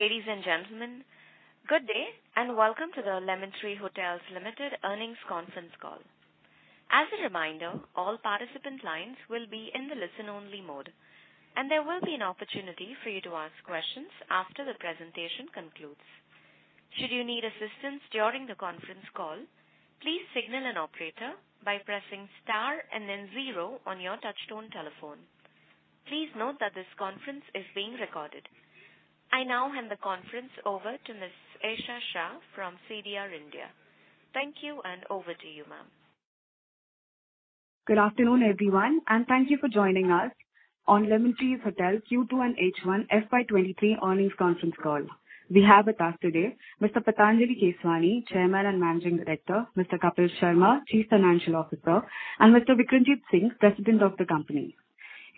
Ladies and gentlemen, good day, and welcome to the Lemon Tree Hotels Limited earnings conference call. As a reminder, all participant lines will be in the listen only mode, and there will be an opportunity for you to ask questions after the presentation concludes. Should you need assistance during the conference call, please signal an operator by pressing star and then zero on your touchtone telephone. Please note that this conference is being recorded. I now hand the conference over to Ms. Esha Shah from CDR India. Thank you and over to you, ma'am. Good afternoon, everyone, and thank you for joining us on Lemon Tree Hotels Q2 and H1 FY 2023 earnings conference call. We have with us today Mr. Patanjali Keswani, Chairman and Managing Director, Mr. Kapil Sharma, Chief Financial Officer, and Mr. Vikramjit Singh, President of the company.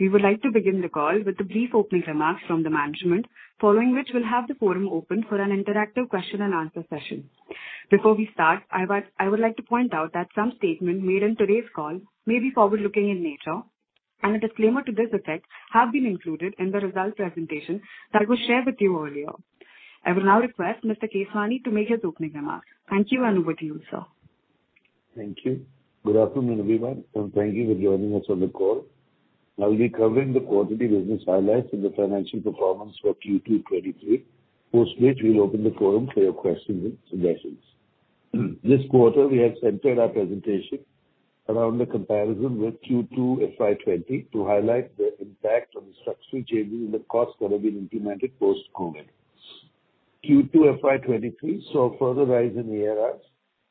We would like to begin the call with a brief opening remarks from the management, following which we'll have the floor open for an interactive question and answer session. Before we start, I would like to point out that some statements made in today's call may be forward-looking in nature and a disclaimer to this effect have been included in the results presentation that was shared with you earlier. I will now request Mr. Keswani to make his opening remarks. Thank you, and over to you, sir. Thank you. Good afternoon, everyone, and thank you for joining us on the call. I'll be covering the quarterly business highlights and the financial performance for Q2 2023. Post which we'll open the forum for your questions and suggestions. This quarter we have centered our presentation around the comparison with Q2 FY 2020 to highlight the impact of the structural changes in the costs that have been implemented post-COVID. Q2 FY 2023 saw a further rise in ARRs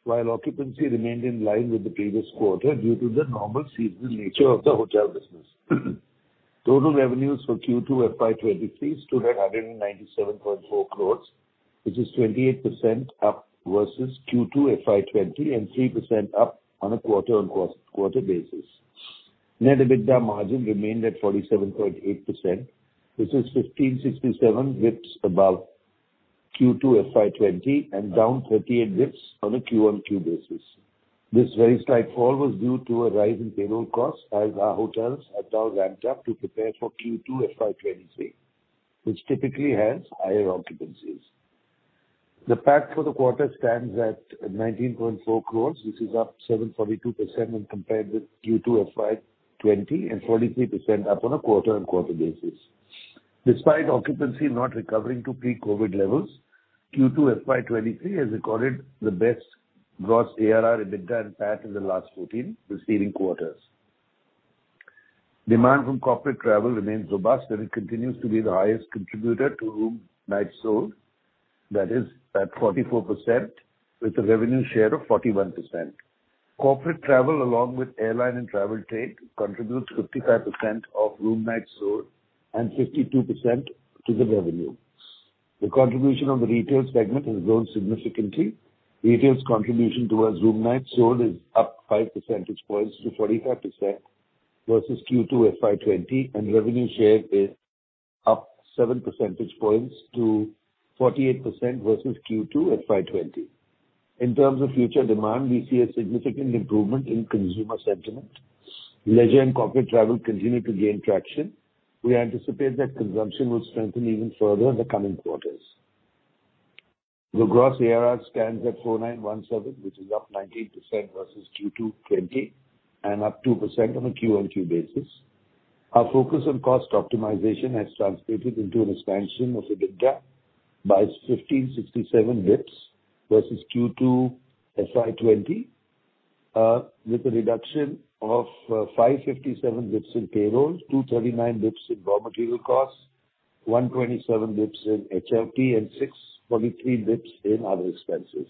while occupancy remained in line with the previous quarter due to the normal seasonal nature of the hotel business. Total revenues for Q2 FY 2023 stood at 197.4 crores, which is 28% up versus Q2 FY 2020 and 3% up on a quarter-on-quarter basis. Net EBITDA margin remained at 47.8%. This is 1,567 basis points above Q2 FY 2020 and down 38 basis points on a quarter-on-quarter basis. This very slight fall was due to a rise in payroll costs as our hotels are now ramped up to prepare for Q2 FY 2023, which typically has higher occupancies. The PAT for the quarter stands at 19.4 crores, which is up 742% when compared with Q2 FY 2020 and 43% up on a quarter-on-quarter basis. Despite occupancy not recovering to pre-COVID levels, Q2 FY 2023 has recorded the best gross ARR, EBITDA and PAT in the last 14 preceding quarters. Demand from corporate travel remains robust, and it continues to be the highest contributor to room nights sold. That is at 44% with a revenue share of 41%. Corporate travel along with airline and travel trade contributes 55% of room nights sold and 52% to the revenue. The contribution of the retail segment has grown significantly. Retail's contribution towards room nights sold is up 5 percentage points to 45% versus Q2 FY 2020 and revenue share is up 7 percentage points to 48% versus Q2 FY 2020. In terms of future demand, we see a significant improvement in consumer sentiment. Leisure and corporate travel continue to gain traction. We anticipate that consumption will strengthen even further in the coming quarters. The gross ARR stands at 4,917, which is up 19% versus Q2 2020 and up 2% on a Q-on-Q basis. Our focus on cost optimization has translated into an expansion of EBITDA by 1,567 basis points versus Q2 FY 2020, with a reduction of 557 basis points in payroll, 239 basis points in raw material costs, 127 basis points in H&LT and 643 basis points in other expenses.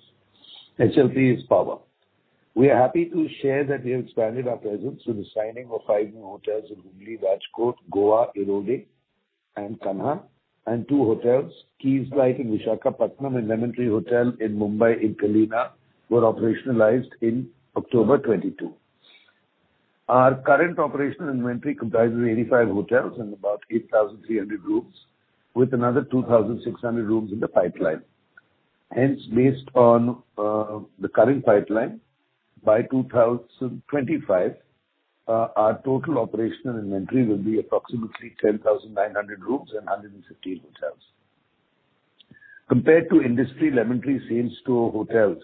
HLP is power. We are happy to share that we have expanded our presence with the signing of five new hotels in Hubli, Rajkot, Goa, Erode and Kanha. Two hotels, Keys Lite in Visakhapatnam and Lemon Tree Hotels in Mumbai in Kalina were operationalized in October 2022. Our current operational inventory comprises of 85 hotels and about 8,300 rooms with another 2,600 rooms in the pipeline. Hence, based on the current pipeline, by 2025, our total operational inventory will be approximately 10,900 rooms and 115 hotels. Compared to industry, Lemon Tree Hotels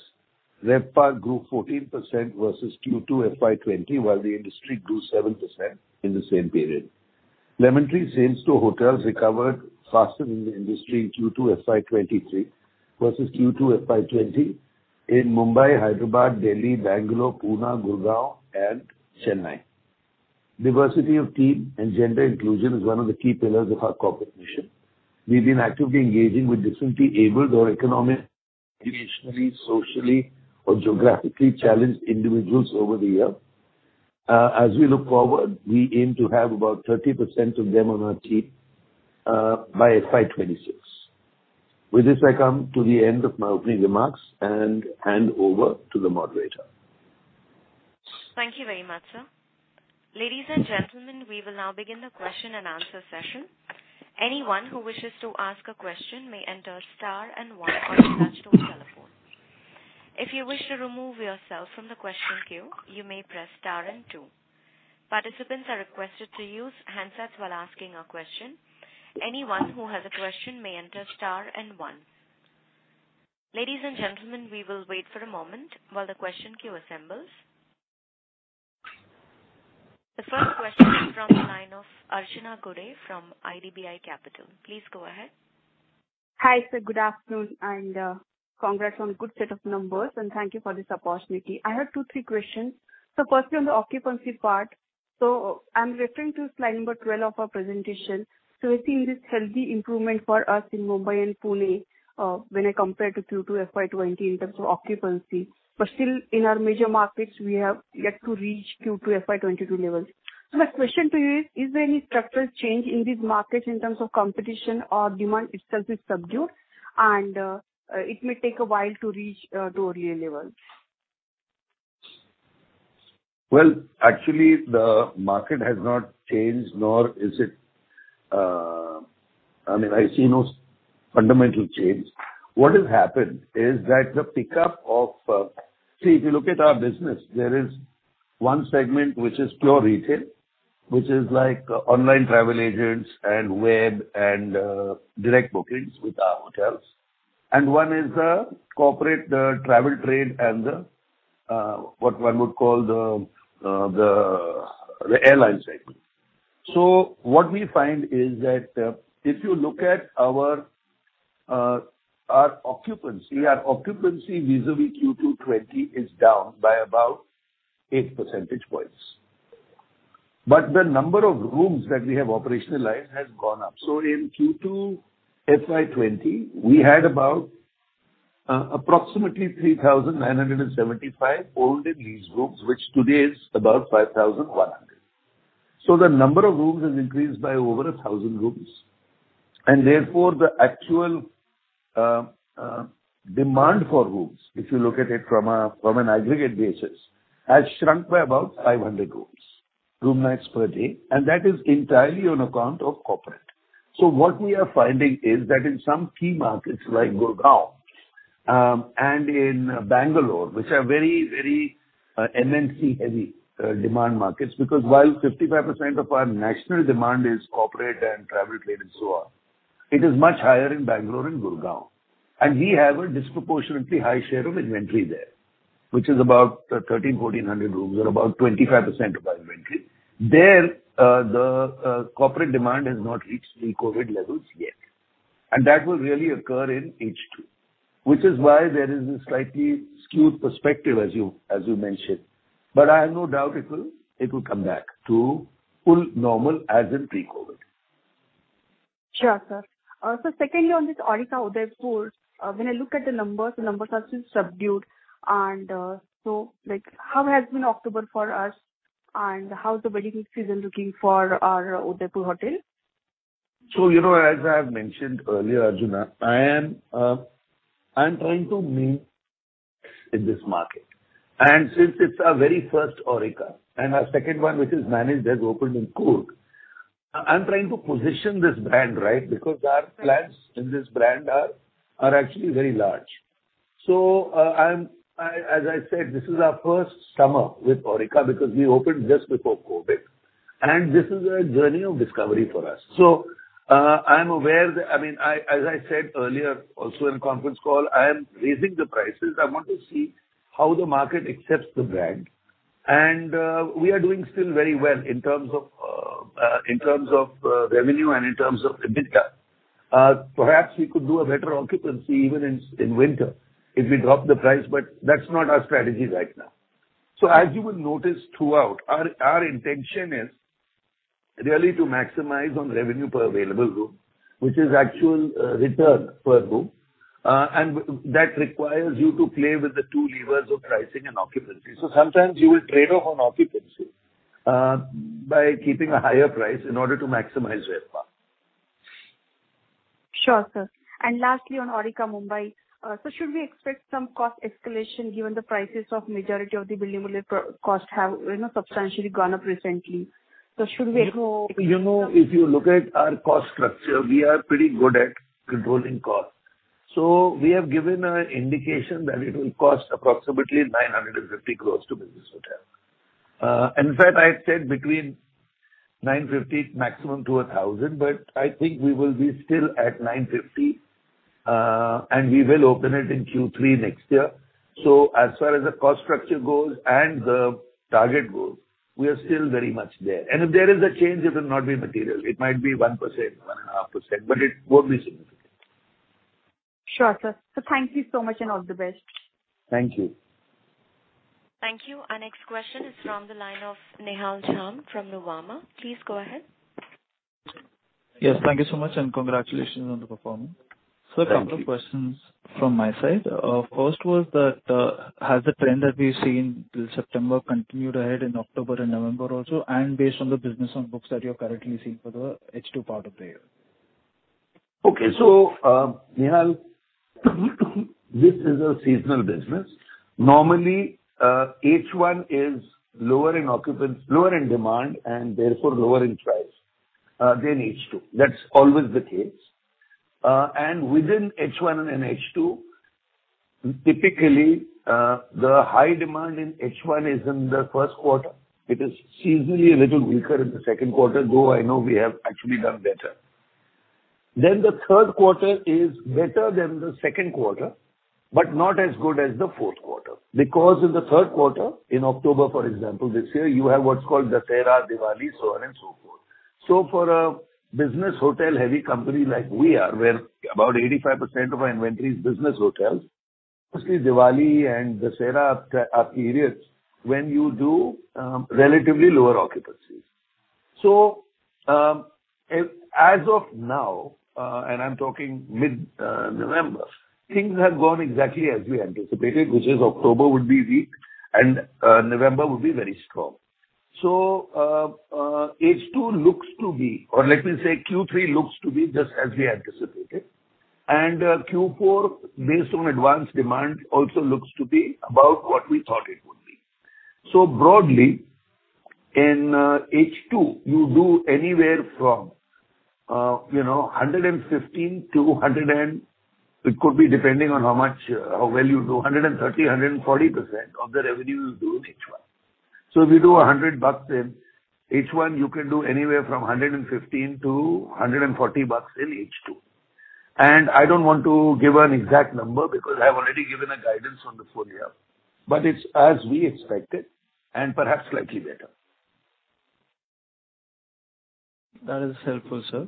RevPAR grew 14% versus Q2 FY 2020, while the industry grew 7% in the same period. Lemon Tree Hotels recovered faster than the industry in Q2 FY 2023 versus Q2 FY 2020 in Mumbai, Hyderabad, Delhi, Bangalore, Pune, Gurgaon and Chennai. Diversity of team and gender inclusion is one of the key pillars of our corporate mission. We've been actively engaging with differently-abled or economically, traditionally, socially or geographically challenged individuals over the years. As we look forward, we aim to have about 30% of them on our team by FY 2026. With this, I come to the end of my opening remarks and hand over to the moderator. Thank you very much, sir. Ladies and gentlemen, we will now begin the question and answer session. Anyone who wishes to ask a question may enter star and one on your touchtone telephone. If you wish to remove yourself from the question queue, you may press star and two. Participants are requested to use handsets while asking a question. Anyone who has a question may enter star and one. Ladies and gentlemen, we will wait for a moment while the question queue assembles. The first question is from the line of Archana Gude from IDBI Capital. Please go ahead. Hi, sir. Good afternoon and, congrats on a good set of numbers, and thank you for this opportunity. I have two, three questions. Firstly, on the occupancy part. I'm referring to slide number 12 of our presentation. We're seeing this healthy improvement for us in Mumbai and Pune, when I compare to Q2 FY 2020 in terms of occupancy. Still, in our major markets we have yet to reach Q2 FY 2022 levels. My question to you is: Is there any structural change in these markets in terms of competition or demand itself is subdued and, it may take a while to reach, to earlier levels? Well, actually, the market has not changed, nor is it. I mean, I see no fundamental change. What has happened is that the pickup of. See, if you look at our business, there is one segment which is pure retail, which is like online travel agents and web and direct bookings with our hotels, and one is the corporate, the travel trade and the what one would call the airline segment. What we find is that, if you look at our occupancy, our occupancy vis-a-vis Q2 2020 is down by about 8 percentage points. The number of rooms that we have operationalized has gone up. In Q2 FY 2020, we had about approximately 3,975 owned and leased rooms, which today is about 5,100. The number of rooms has increased by over 1,000 rooms. Therefore, the actual demand for rooms, if you look at it from an aggregate basis, has shrunk by about 500 rooms, room nights per day, and that is entirely on account of corporate. What we are finding is that in some key markets like Gurgaon and in Bangalore, which are very, very MNC-heavy demand markets, because while 55% of our national demand is corporate and travel trade and so on, it is much higher in Bangalore and Gurgaon. We have a disproportionately high share of inventory there, which is about 1,300-1,400 rooms or about 25% of our inventory. There, the corporate demand has not reached pre-COVID levels yet. That will really occur in H2, which is why there is a slightly skewed perspective, as you mentioned. I have no doubt it will come back to full normal as in pre-COVID. Sure, sir. Secondly, on this Aurika Udaipur, when I look at the numbers, the numbers are still subdued and, so, like, how has been October for us and how is the wedding season looking for our Udaipur hotel? You know, as I have mentioned earlier, Archana, I am trying to meet in this market. Since it's our very first Aurika and our second one, which is managed, has opened in Coorg, I'm trying to position this brand right, because our plans in this brand are actually very large. As I said, this is our first summer with Aurika because we opened just before COVID. This is a journey of discovery for us. I'm aware that, I mean, as I said earlier also in conference call, I am raising the prices. I want to see how the market accepts the brand. We are doing still very well in terms of revenue and in terms of EBITDA. Perhaps we could do a better occupancy even in winter if we drop the price, but that's not our strategy right now. As you will notice throughout, our intention is really to maximize on revenue per available room, which is actual return per room. That requires you to play with the two levers of pricing and occupancy. Sometimes you will trade off on occupancy by keeping a higher price in order to maximize RevPAR. Sure, sir. Lastly, on Aurika Mumbai, should we expect some cost escalation given the prices of majority of the buildable costs have, you know, substantially gone up recently? You know, if you look at our cost structure, we are pretty good at controlling costs. We have given an indication that it will cost approximately 950 crore to build this hotel. In fact, I said between 950 maximum to 1,000, but I think we will be still at 950, and we will open it in Q3 next year. As far as the cost structure goes and the target goes, we are still very much there. If there is a change, it will not be material. It might be 1%, 1.5%, but it won't be significant. Sure, sir. Thank you so much and all the best. Thank you. Thank you. Our next question is from the line of Nihal Jham from Nuvama. Please go ahead. Yes, thank you so much, and congratulations on the performance. Thank you. A couple of questions from my side. First was that, has the trend that we've seen till September continued ahead in October and November also? Based on the business on books that you're currently seeing for the H2 part of the year. Okay. Nihal, this is a seasonal business. Normally, H1 is lower in occupancy- lower in demand and therefore lower in price, then H2. That's always the case. Within H1 and H2, typically, the high demand in H1 is in the first quarter. It is seasonally a little weaker in the second quarter, though I know we have actually done better. The third quarter is better than the second quarter, but not as good as the fourth quarter. Because in the third quarter, in October, for example, this year, you have what's called Dussehra, Diwali, so on and so forth. For a business hotel-heavy company like we are, where about 85% of our inventory is business hotels, mostly Diwali and Dussehra are periods when you do relatively lower occupancies. As of now, and I'm talking mid-November, things have gone exactly as we anticipated, which is October would be weak and November would be very strong. H2 looks to be or let me say Q3 looks to be just as we anticipated. Q4, based on advance demand, also looks to be about what we thought it would be. Broadly, in H2, you do anywhere from, you know, 115% to 130%, 140% of the revenue you do in H1. If you do INR 100 in H1, you can do anywhere from 115 to INR 140 in H2. I don't want to give an exact number because I've already given a guidance on the full year. It's as we expected and perhaps slightly better. That is helpful, sir.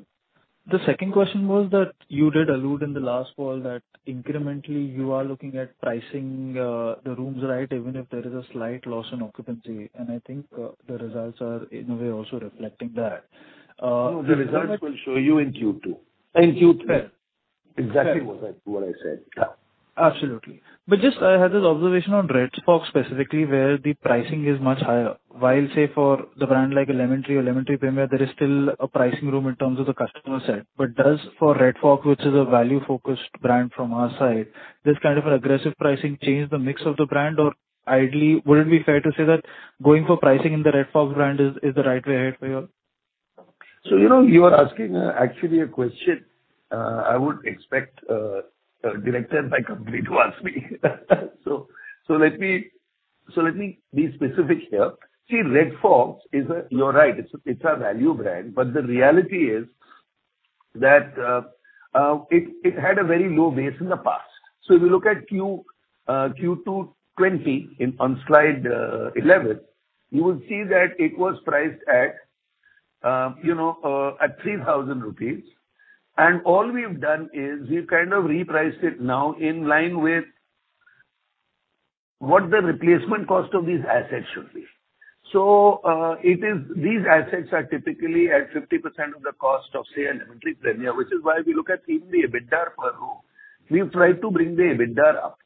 The second question was that you did allude in the last call that incrementally you are looking at pricing, the rooms right, even if there is a slight loss in occupancy. I think the results are in a way also reflecting that. The results. No, the results will show you in Q2. In Q3. Fair. Exactly what I said. Yeah. Absolutely. Just I had this observation on Red Fox specifically, where the pricing is much higher. While, say, for the brand like Lemon Tree or Lemon Tree Premier, there is still a pricing room in terms of the customer set. Does for Red Fox, which is a value-focused brand from our side, this kind of aggressive pricing change the mix of the brand or ideally would it be fair to say that going for pricing in the Red Fox brand is the right way ahead for you all? You know, you are asking actually a question I would expect a director in my company to ask me. Let me be specific here. See, Red Fox is a... You're right, it's our value brand. But the reality is that it had a very low base in the past. If you look at Q2 2020 on slide 11, you will see that it was priced at you know at 3,000 rupees. And all we've done is we've kind of repriced it now in line with what the replacement cost of these assets should be. These assets are typically at 50% of the cost of, say, a Lemon Tree Premier, which is why if you look at even the EBITDA per room, we've tried to bring the EBITDA up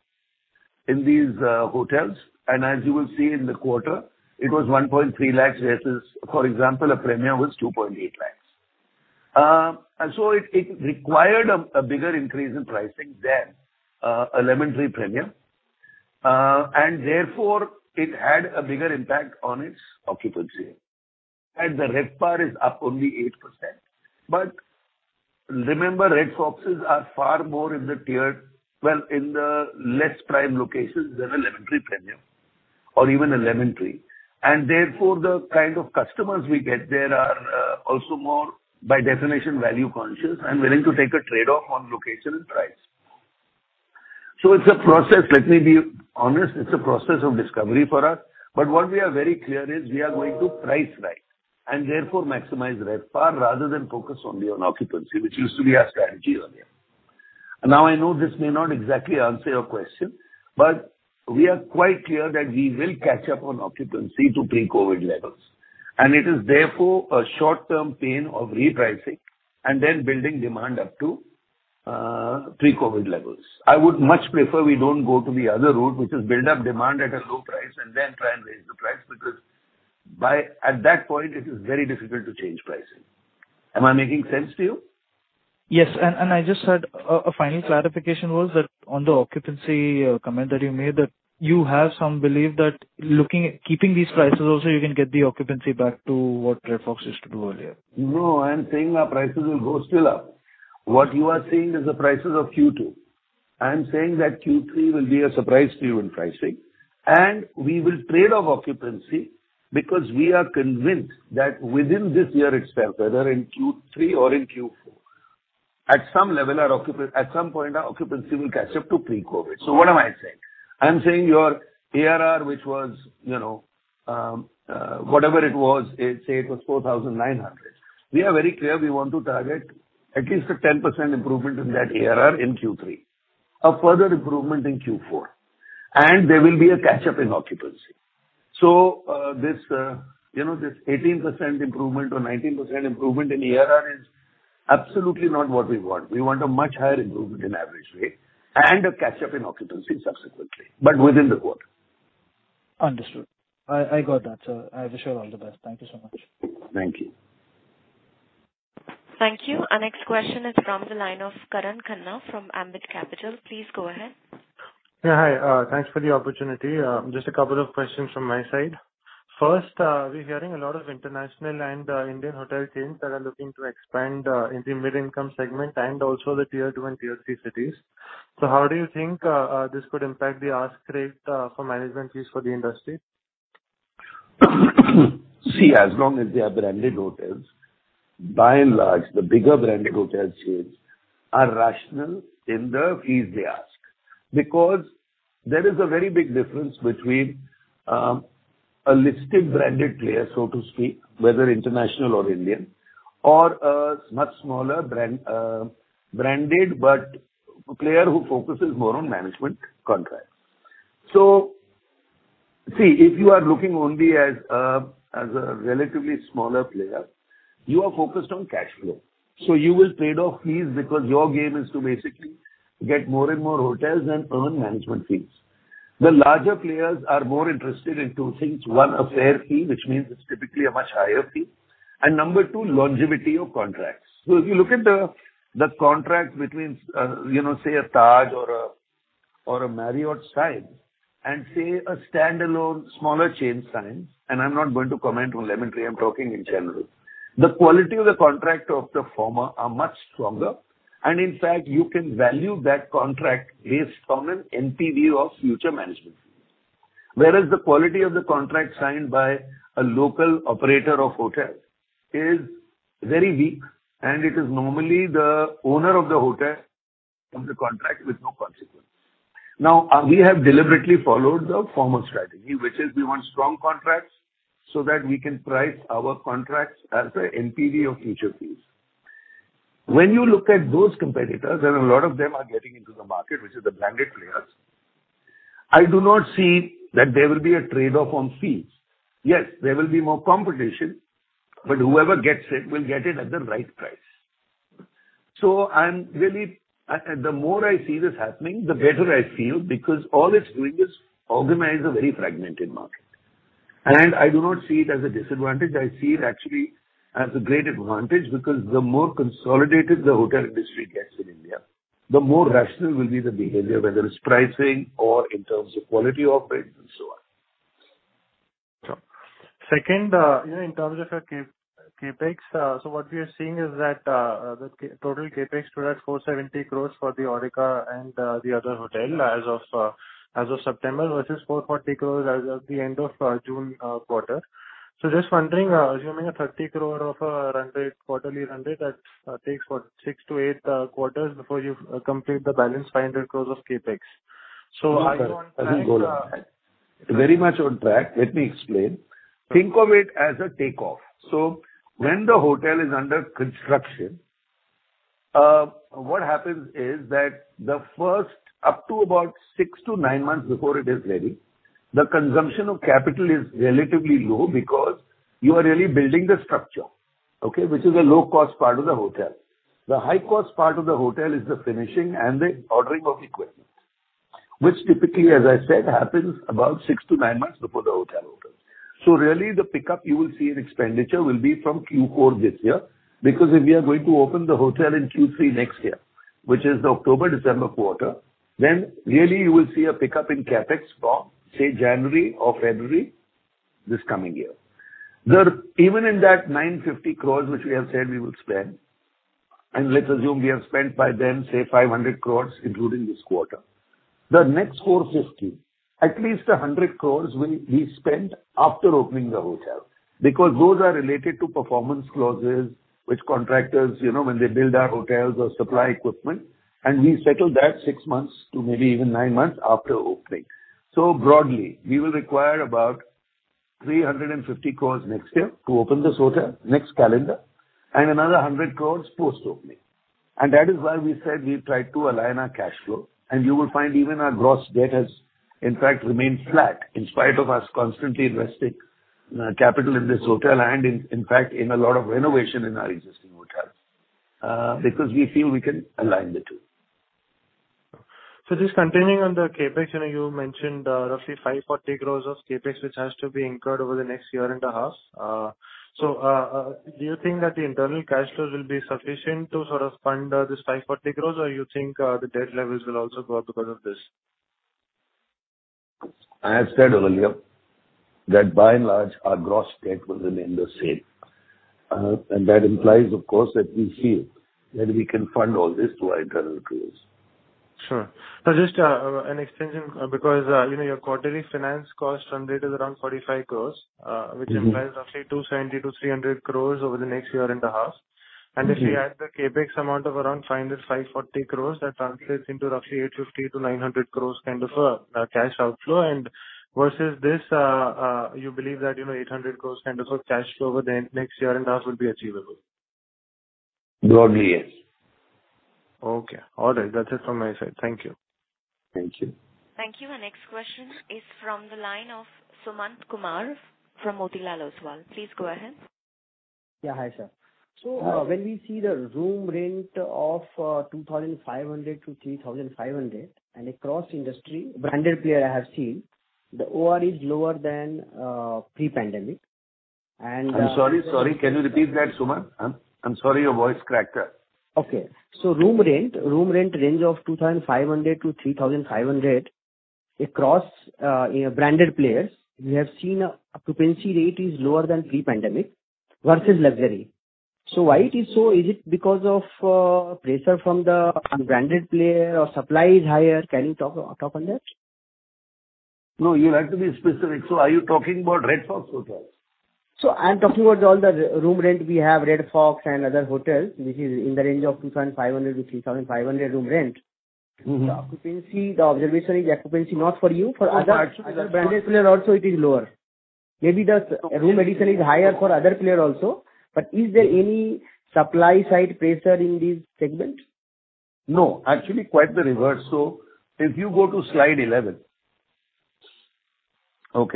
in these hotels. As you will see in the quarter, it was 1.3 lakhs versus, for example, a Lemon Tree Premier was 2.8 lakhs. It required a bigger increase in pricing than Lemon Tree Premier. Therefore it had a bigger impact on its occupancy. The RevPAR is up only 8%. Remember, Red Foxes are far more in the tier two, well, in the less prime locations than Lemon Tree Premier or even Lemon Tree. Therefore, the kind of customers we get there are also more by definition value conscious and willing to take a trade-off on location and price. It's a process. Let me be honest, it's a process of discovery for us. What we are very clear is we are going to price right and therefore maximize RevPAR rather than focus only on occupancy, which used to be our strategy earlier. Now, I know this may not exactly answer your question, but we are quite clear that we will catch up on occupancy to pre-COVID levels. It is therefore a short-term pain of repricing and then building demand up to pre-COVID levels. I would much prefer we don't go to the other route, which is build up demand at a low price and then try and raise the price, because at that point it is very difficult to change pricing. Am I making sense to you? Yes. I just had a final clarification was that on the occupancy comment that you made, that you have some belief that looking at, keeping these prices also you can get the occupancy back to what Red Fox used to do earlier. No, I'm saying our prices will go still up. What you are seeing is the prices of Q2. I am saying that Q3 will be a surprise to you in pricing. We will trade off occupancy because we are convinced that within this year itself, whether in Q3 or in Q4, at some point our occupancy will catch up to pre-COVID. What am I saying? I'm saying your ARR, which was, you know, whatever it was, say it was 4,900. We are very clear we want to target at least a 10% improvement in that ARR in Q3. A further improvement in Q4. There will be a catch-up in occupancy. This, you know, this 18% improvement or 19% improvement in ARR is absolutely not what we want. We want a much higher improvement in average rate and a catch-up in occupancy subsequently, but within the quarter. Understood. I got that, sir. I wish you all the best. Thank you so much. Thank you. Thank you. Our next question is from the line of Karan Khanna from Ambit Capital. Please go ahead. Yeah, hi, thanks for the opportunity. Just a couple of questions from my side. First, we're hearing a lot of international and, Indian hotel chains that are looking to expand, in the mid-income segment and also the tier two and tier three cities. How do you think, this could impact the ask rate, for management fees for the industry? See, as long as they are branded hotels, by and large, the bigger branded hotel chains are rational in the fees they ask. Because there is a very big difference between a listed branded player, so to speak, whether international or Indian or a much smaller brand, branded, but a player who focuses more on management contracts. See, if you are looking only as a relatively smaller player, you are focused on cash flow. You will trade off fees because your game is to basically get more and more hotels and earn management fees. The larger players are more interested in two things. One, a fair fee, which means it's typically a much higher fee. Number two, longevity of contracts. If you look at the contract between, you know, say a Taj or a Marriott signing and say a standalone smaller chain signing, and I'm not going to comment on Lemon Tree, I'm talking in general. The quality of the contract of the former are much stronger, and in fact, you can value that contract based on an NPV of future management fees. Whereas the quality of the contract signed by a local operator of hotel is very weak, and it is normally the owner of the hotel who benefits from the contract with no consequence. Now, we have deliberately followed the former strategy, which is we want strong contracts so that we can price our contracts as an NPV of future fees. When you look at those competitors, and a lot of them are getting into the market, which is the branded players, I do not see that there will be a trade-off on fees. Yes, there will be more competition, but whoever gets it will get it at the right price. I'm really the more I see this happening, the better I feel, because all it's doing is organize a very fragmented market. I do not see it as a disadvantage. I see it actually as a great advantage because the more consolidated the hotel industry gets in India, the more rational will be the behavior, whether it's pricing or in terms of quality of it and so on. Sure. Second, you know, in terms of your CapEx, what we are seeing is that the total CapEx stood at 470 crores for the Aurika and the other hotel as of September versus 440 crores as of the end of June quarter. Just wondering, assuming a 30 crore quarterly run rate that takes six to eight quarters before you complete the balance 500 crores of CapEx. I just want to- Very much on track. Let me explain. Think of it as a take-off. When the hotel is under construction, what happens is that the first up to about six to nine months before it is ready, the consumption of capital is relatively low because you are really building the structure, okay, which is a low-cost part of the hotel. The high-cost part of the hotel is the finishing and the ordering of equipment, which typically, as I said, happens about six to nine months before the hotel opens. Really the pickup you will see in expenditure will be from Q4 this year, because if we are going to open the hotel in Q3 next year, which is the October-December quarter, then really you will see a pickup in CapEx from, say, January or February this coming year. Even in that 950 crores, which we have said we will spend, and let's assume we have spent by then, say, 500 crores, including this quarter. The next 450, at least 100 crores will be spent after opening the hotel, because those are related to performance clauses, which contractors, you know, when they build our hotels or supply equipment, and we settle that six months to maybe even nine months after opening. So broadly, we will require about 350 crores next year to open this hotel next calendar and another 100 crores post-opening. That is why we said we've tried to align our cash flow. You will find even our gross debt has in fact remained flat in spite of us constantly investing capital in this hotel and, in fact, in a lot of renovation in our existing hotels, because we feel we can align the two. Just continuing on the CapEx, you know, you mentioned roughly 540 crore of CapEx, which has to be incurred over the next year and a half. Do you think that the internal cash flows will be sufficient to sort of fund this 540 crore, or you think the debt levels will also go up because of this? I have said earlier that by and large our gross debt will remain the same. That implies of course that we feel that we can fund all this through our internal tools. Sure. Now just an extension because you know your quarterly finance cost run rate is around 45 crores. Mm-hmm. which implies roughly 270 crore-300 crore over the next year and a half. Mm-hmm. If we add the CapEx amount of around 5-540 crore, that translates into roughly 850-900 crore kind of a cash outflow. Versus this, you believe that, you know, 800 crore kind of a cash flow over the next year and a half will be achievable? Broadly, yes. Okay. All right. That's it from my side. Thank you. Thank you. Thank you. Our next question is from the line of Sumant Kumar from Motilal Oswal. Please go ahead. Yeah. Hi, sir. Hi. When we see the room rent of 2,500-3,500 and across industry branded player I have seen the OR is lower than pre-pandemic. I'm sorry. Can you repeat that, Suman? I'm sorry, your voice cracked up. Okay. Room rent range of 2,500-3,500 across, you know, branded players. We have seen occupancy rate is lower than pre-pandemic versus luxury. Why it is so? Is it because of pressure from the unbranded player or supply is higher? Can you talk on that? No, you have to be specific. Are you talking about Red Fox Hotel? I'm talking about all the room rent. We have Red Fox and other hotels, which is in the range of 2,500-3,500 room rent. Mm-hmm. The observation is the occupancy, not for you, for other- No, actually. Other branded player also it is lower. Maybe the room addition is higher for other player also. Is there any supply-side pressure in this segment? No, actually quite the reverse. If you go to slide 11. You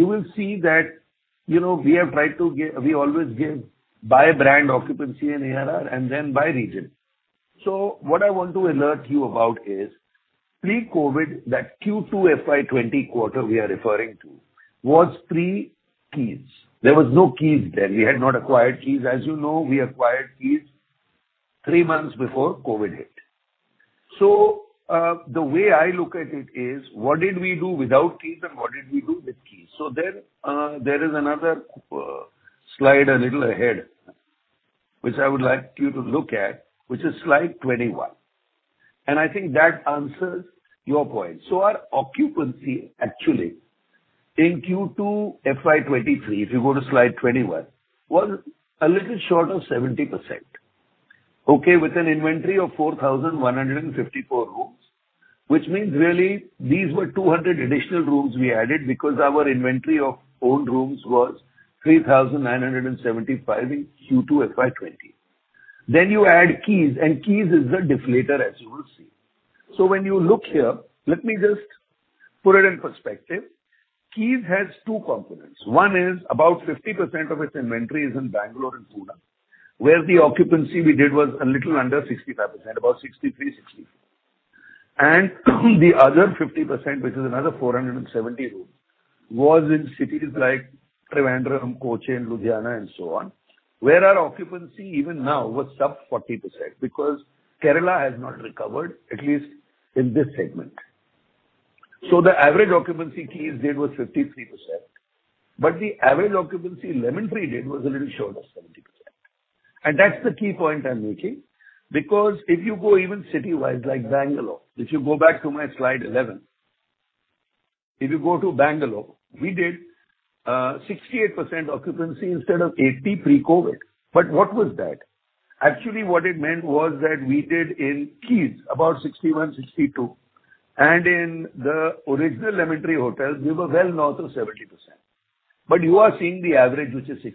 will see that, you know, we have tried to give by brand occupancy in ARR and then by region. What I want to alert you about is pre-COVID, that Q2 FY20 quarter we are referring to was pre-Keys. There was no Keys then. We had not acquired Keys. As you know, we acquired Keys three months before COVID hit. The way I look at it is what did we do without Keys and what did we do with Keys? There is another slide a little ahead, which I would like you to look at, which is slide 21, and I think that answers your point. Our occupancy actually in Q2 FY 2023, if you go to slide 21, was a little short of 70%, okay, with an inventory of 4,154 rooms, which means really these were 200 additional rooms we added because our inventory of owned rooms was 3,975 in Q2 FY 2020. You add Keys and Keys is the deflator as you will see. When you look here, let me just put it in perspective. Keys has two components. One is about 50% of its inventory is in Bangalore and Pune, where the occupancy we did was a little under 65%, about 63, 64. The other 50 percent, which is another 470 rooms, was in cities like Trivandrum, Cochin, Ludhiana and so on, where our occupancy even now was sub 40% because Kerala has not recovered, at least in this segment. The average occupancy Keys did was 53%, but the average occupancy Lemon Tree did was a little short of 70%. That's the key point I'm making because if you go even city-wide, like Bangalore, if you go back to my slide 11. If you go to Bangalore, we did 68% occupancy instead of 80% pre-COVID. What was that? Actually, what it meant was that we did in Keys about 61, 62, and in the original Lemon Tree hotels we were well north of 70%. You are seeing the average, which is 60%.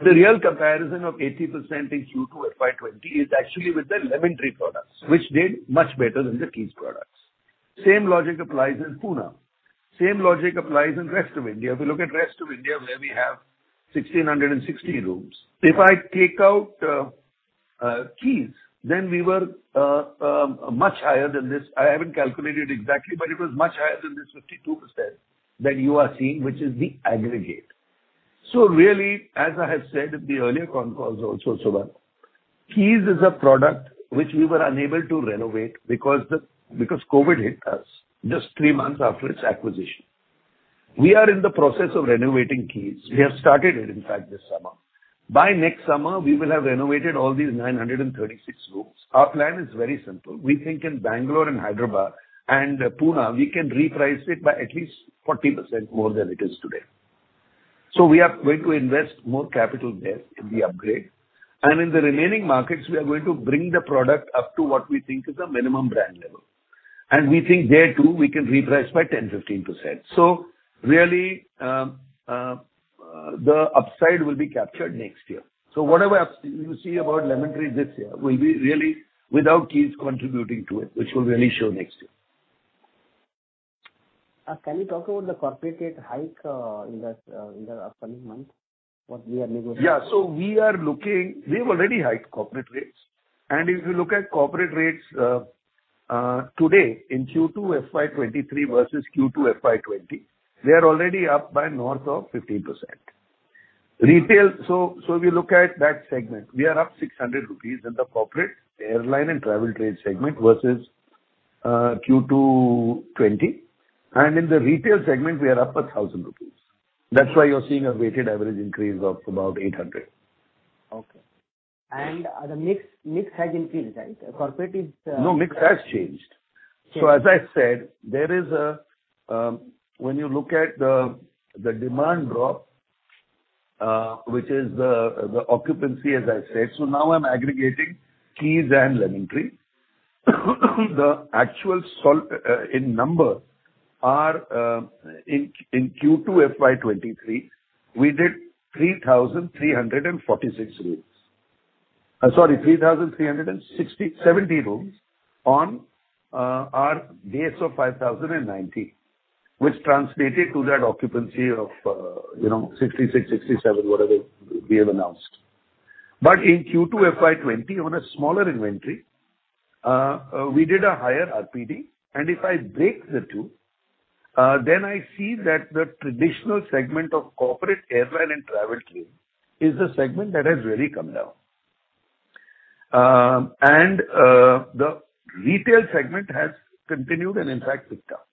The real comparison of 80% in Q2 FY2020 is actually with the Lemon Tree products, which did much better than the Keys products. Same logic applies in Pune. Same logic applies in rest of India. If you look at rest of India where we have 1,660 rooms. If I take out Keys, then we were much higher than this. I haven't calculated exactly, but it was much higher than this 52% that you are seeing, which is the aggregate. Really, as I have said in the earlier con calls also, Sumant, Keys is a product which we were unable to renovate because COVID hit us just three months after its acquisition. We are in the process of renovating Keys. We have started it in fact this summer. By next summer we will have renovated all these 936 rooms. Our plan is very simple. We think in Bangalore and Hyderabad and Pune, we can reprice it by at least 40% more than it is today. We are going to invest more capital there in the upgrade. In the remaining markets, we are going to bring the product up to what we think is the minimum brand level. We think there too we can reprice by 10%-15%. Really, the upside will be captured next year. Whatever you see about Lemon Tree this year will be really without Keys contributing to it, which will really show next year. Can you talk about the corporate rate hike in the upcoming months? What we are negotiating. We have already hiked corporate rates. If you look at corporate rates today in Q2 FY 2023 versus Q2 FY 2020, we are already up by north of 15%. Retail, we look at that segment. We are up 600 rupees in the corporate airline and travel trade segment versus Q2 2020. In the retail segment we are up 1,000 rupees. That's why you're seeing a weighted average increase of about 800. Okay. The mix has increased, right? Corporate is No mix has changed. Okay. As I said, there is, when you look at the demand drop, which is the occupancy as I said. Now I'm aggregating Keys and Lemon Tree. The actual in numbers are in Q2 FY 2023 we did 3,346 rooms. Sorry, 3,367 rooms on our base of 5,090, which translated to that occupancy of, you know, 66%-67%, whatever we have announced. In Q2 FY 2020 on a smaller inventory, we did a higher RPD. If I break the two, then I see that the traditional segment of corporate airline and travel trade is a segment that has really come down. The retail segment has continued and in fact picked up.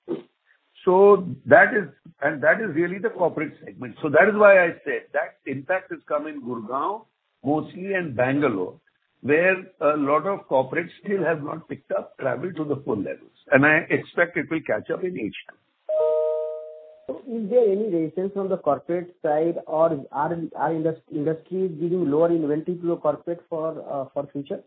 That is. That is really the corporate segment. That is why I said that impact has come in Gurgaon, Mumbai, and Bangalore, where a lot of corporates still have not picked up travel to the full levels. I expect it will catch up in H1. Is there any resistance from the corporate side or is the industry giving lower inventory to corporates for future?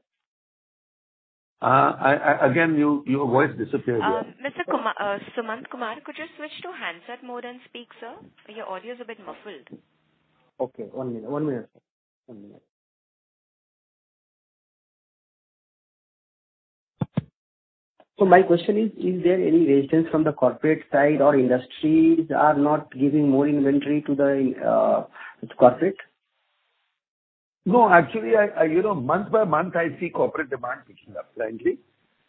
I again, you, your voice disappeared there. Mr. Sumant Kumar, could you switch to handset mode and speak, sir? Your audio is a bit muffled. Okay. One minute. My question is there any resistance from the corporate side or industries are not giving more inventory to the corporate? No, actually, I you know, month by month I see corporate demand picking up slightly,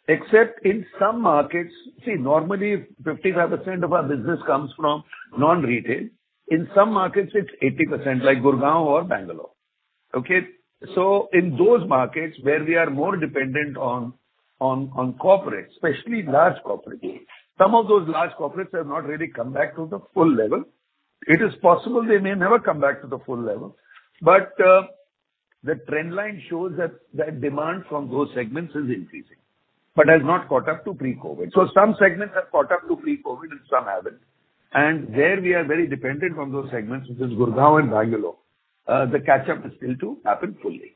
except in some markets. See, normally 55% of our business comes from non-retail. In some markets it's 80%, like Gurgaon or Bangalore. Okay? So in those markets where we are more dependent on corporate, especially large corporate, some of those large corporates have not really come back to the full level. It is possible they may never come back to the full level. But the trend line shows that demand from those segments is increasing but has not caught up to pre-COVID. So some segments have caught up to pre-COVID and some haven't. And there we are very dependent on those segments, which is Gurgaon and Bangalore. The catch-up is still to happen fully.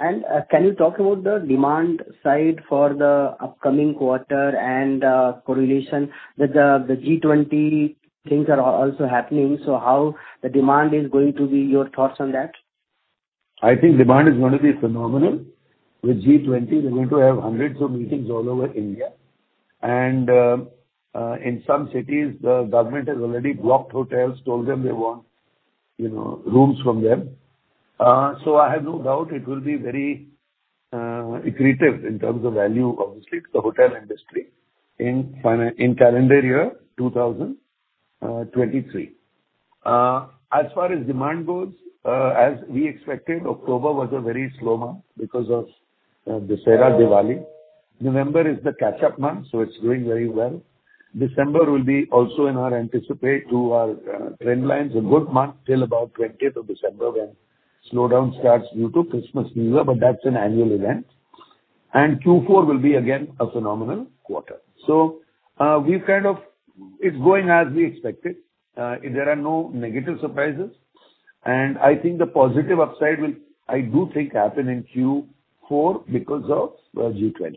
Okay. Can you talk about the demand side for the upcoming quarter and correlation with the G20 things are also happening, so how the demand is going to be, your thoughts on that? I think demand is gonna be phenomenal. With G20 they're going to have hundreds of meetings all over India. In some cities the government has already blocked hotels, told them they want, you know, rooms from them. I have no doubt it will be very accretive in terms of value, obviously, to the hotel industry in calendar year 2023. As far as demand goes, as we expected, October was a very slow month because of Dussehra, Diwali. November is the catch-up month, so it's doing very well. December will also be in line with our anticipated trend lines, a good month till about 20th of December when slowdown starts due to Christmas season, but that's an annual event. Q4 will be again a phenomenal quarter. We've kind of It's going as we expected. There are no negative surprises. I think the positive upside will, I do think, happen in Q4 because of the G20.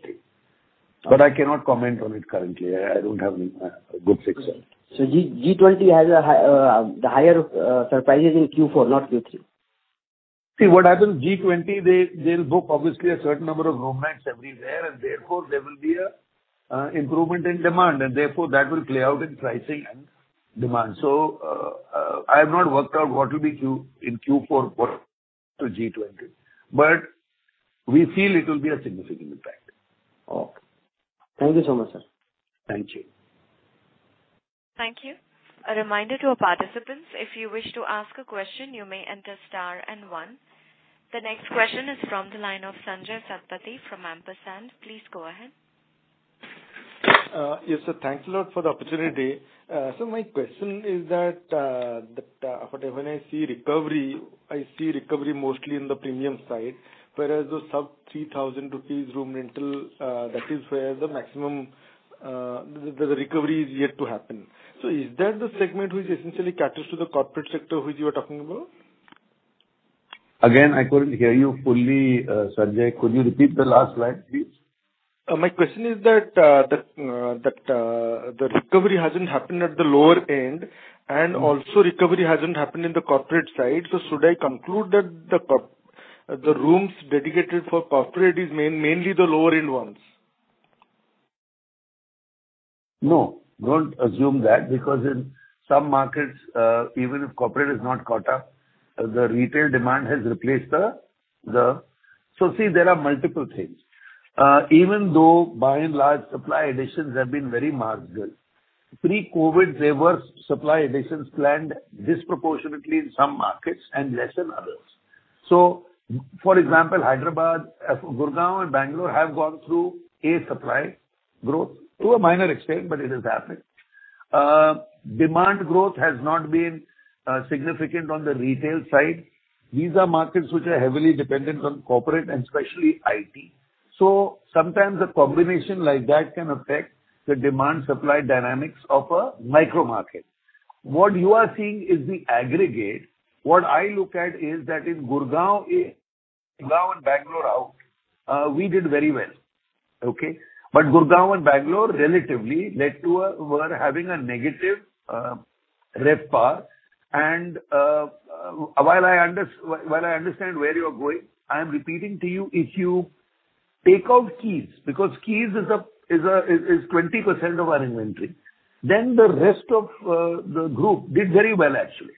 I cannot comment on it currently. I don't have a good picture. G20 has higher surprises in Q4, not Q3? See, what happens, G20, they’ll book obviously a certain number of room nights everywhere and therefore there will be a improvement in demand and therefore that will play out in pricing and demand. I have not worked out what will be in Q4 for G20, but we feel it will be a significant impact. Okay. Thank you so much, sir. Thank you. Thank you. A reminder to our participants, if you wish to ask a question you may enter star and one. The next question is from the line of Sanjaya Satapathy from Ampersand. Please go ahead. Yes, sir. Thanks a lot for the opportunity. My question is that, whenever I see recovery, I see recovery mostly in the premium side, whereas the sub 3,000 rupees room rental, that is where the maximum, the recovery is yet to happen. Is that the segment which essentially caters to the corporate sector which you are talking about? Again, I couldn't hear you fully, Sanjay. Could you repeat the last line, please? My question is that the recovery hasn't happened at the lower end and also recovery hasn't happened in the corporate side. Should I conclude that the rooms dedicated for corporate is mainly the lower end ones? No. Don't assume that because in some markets, even if corporate has not caught up, the retail demand has replaced the. See, there are multiple things. Even though by and large supply additions have been very marginal, pre-COVID there were supply additions planned disproportionately in some markets and less in others. For example, Hyderabad, Gurgaon and Bangalore have gone through a supply growth to a minor extent, but it has happened. Demand growth has not been significant on the retail side. These are markets which are heavily dependent on corporate and especially IT. Sometimes a combination like that can affect the demand supply dynamics of a micro market. What you are seeing is the aggregate. What I look at is that in Gurgaon and Bangalore, we did very well. Okay? Gurgaon and Bangalore were having a negative RevPAR. While I understand where you're going, I am repeating to you if you take out Keys, because Keys is 20% of our inventory. Then the rest of the group did very well actually.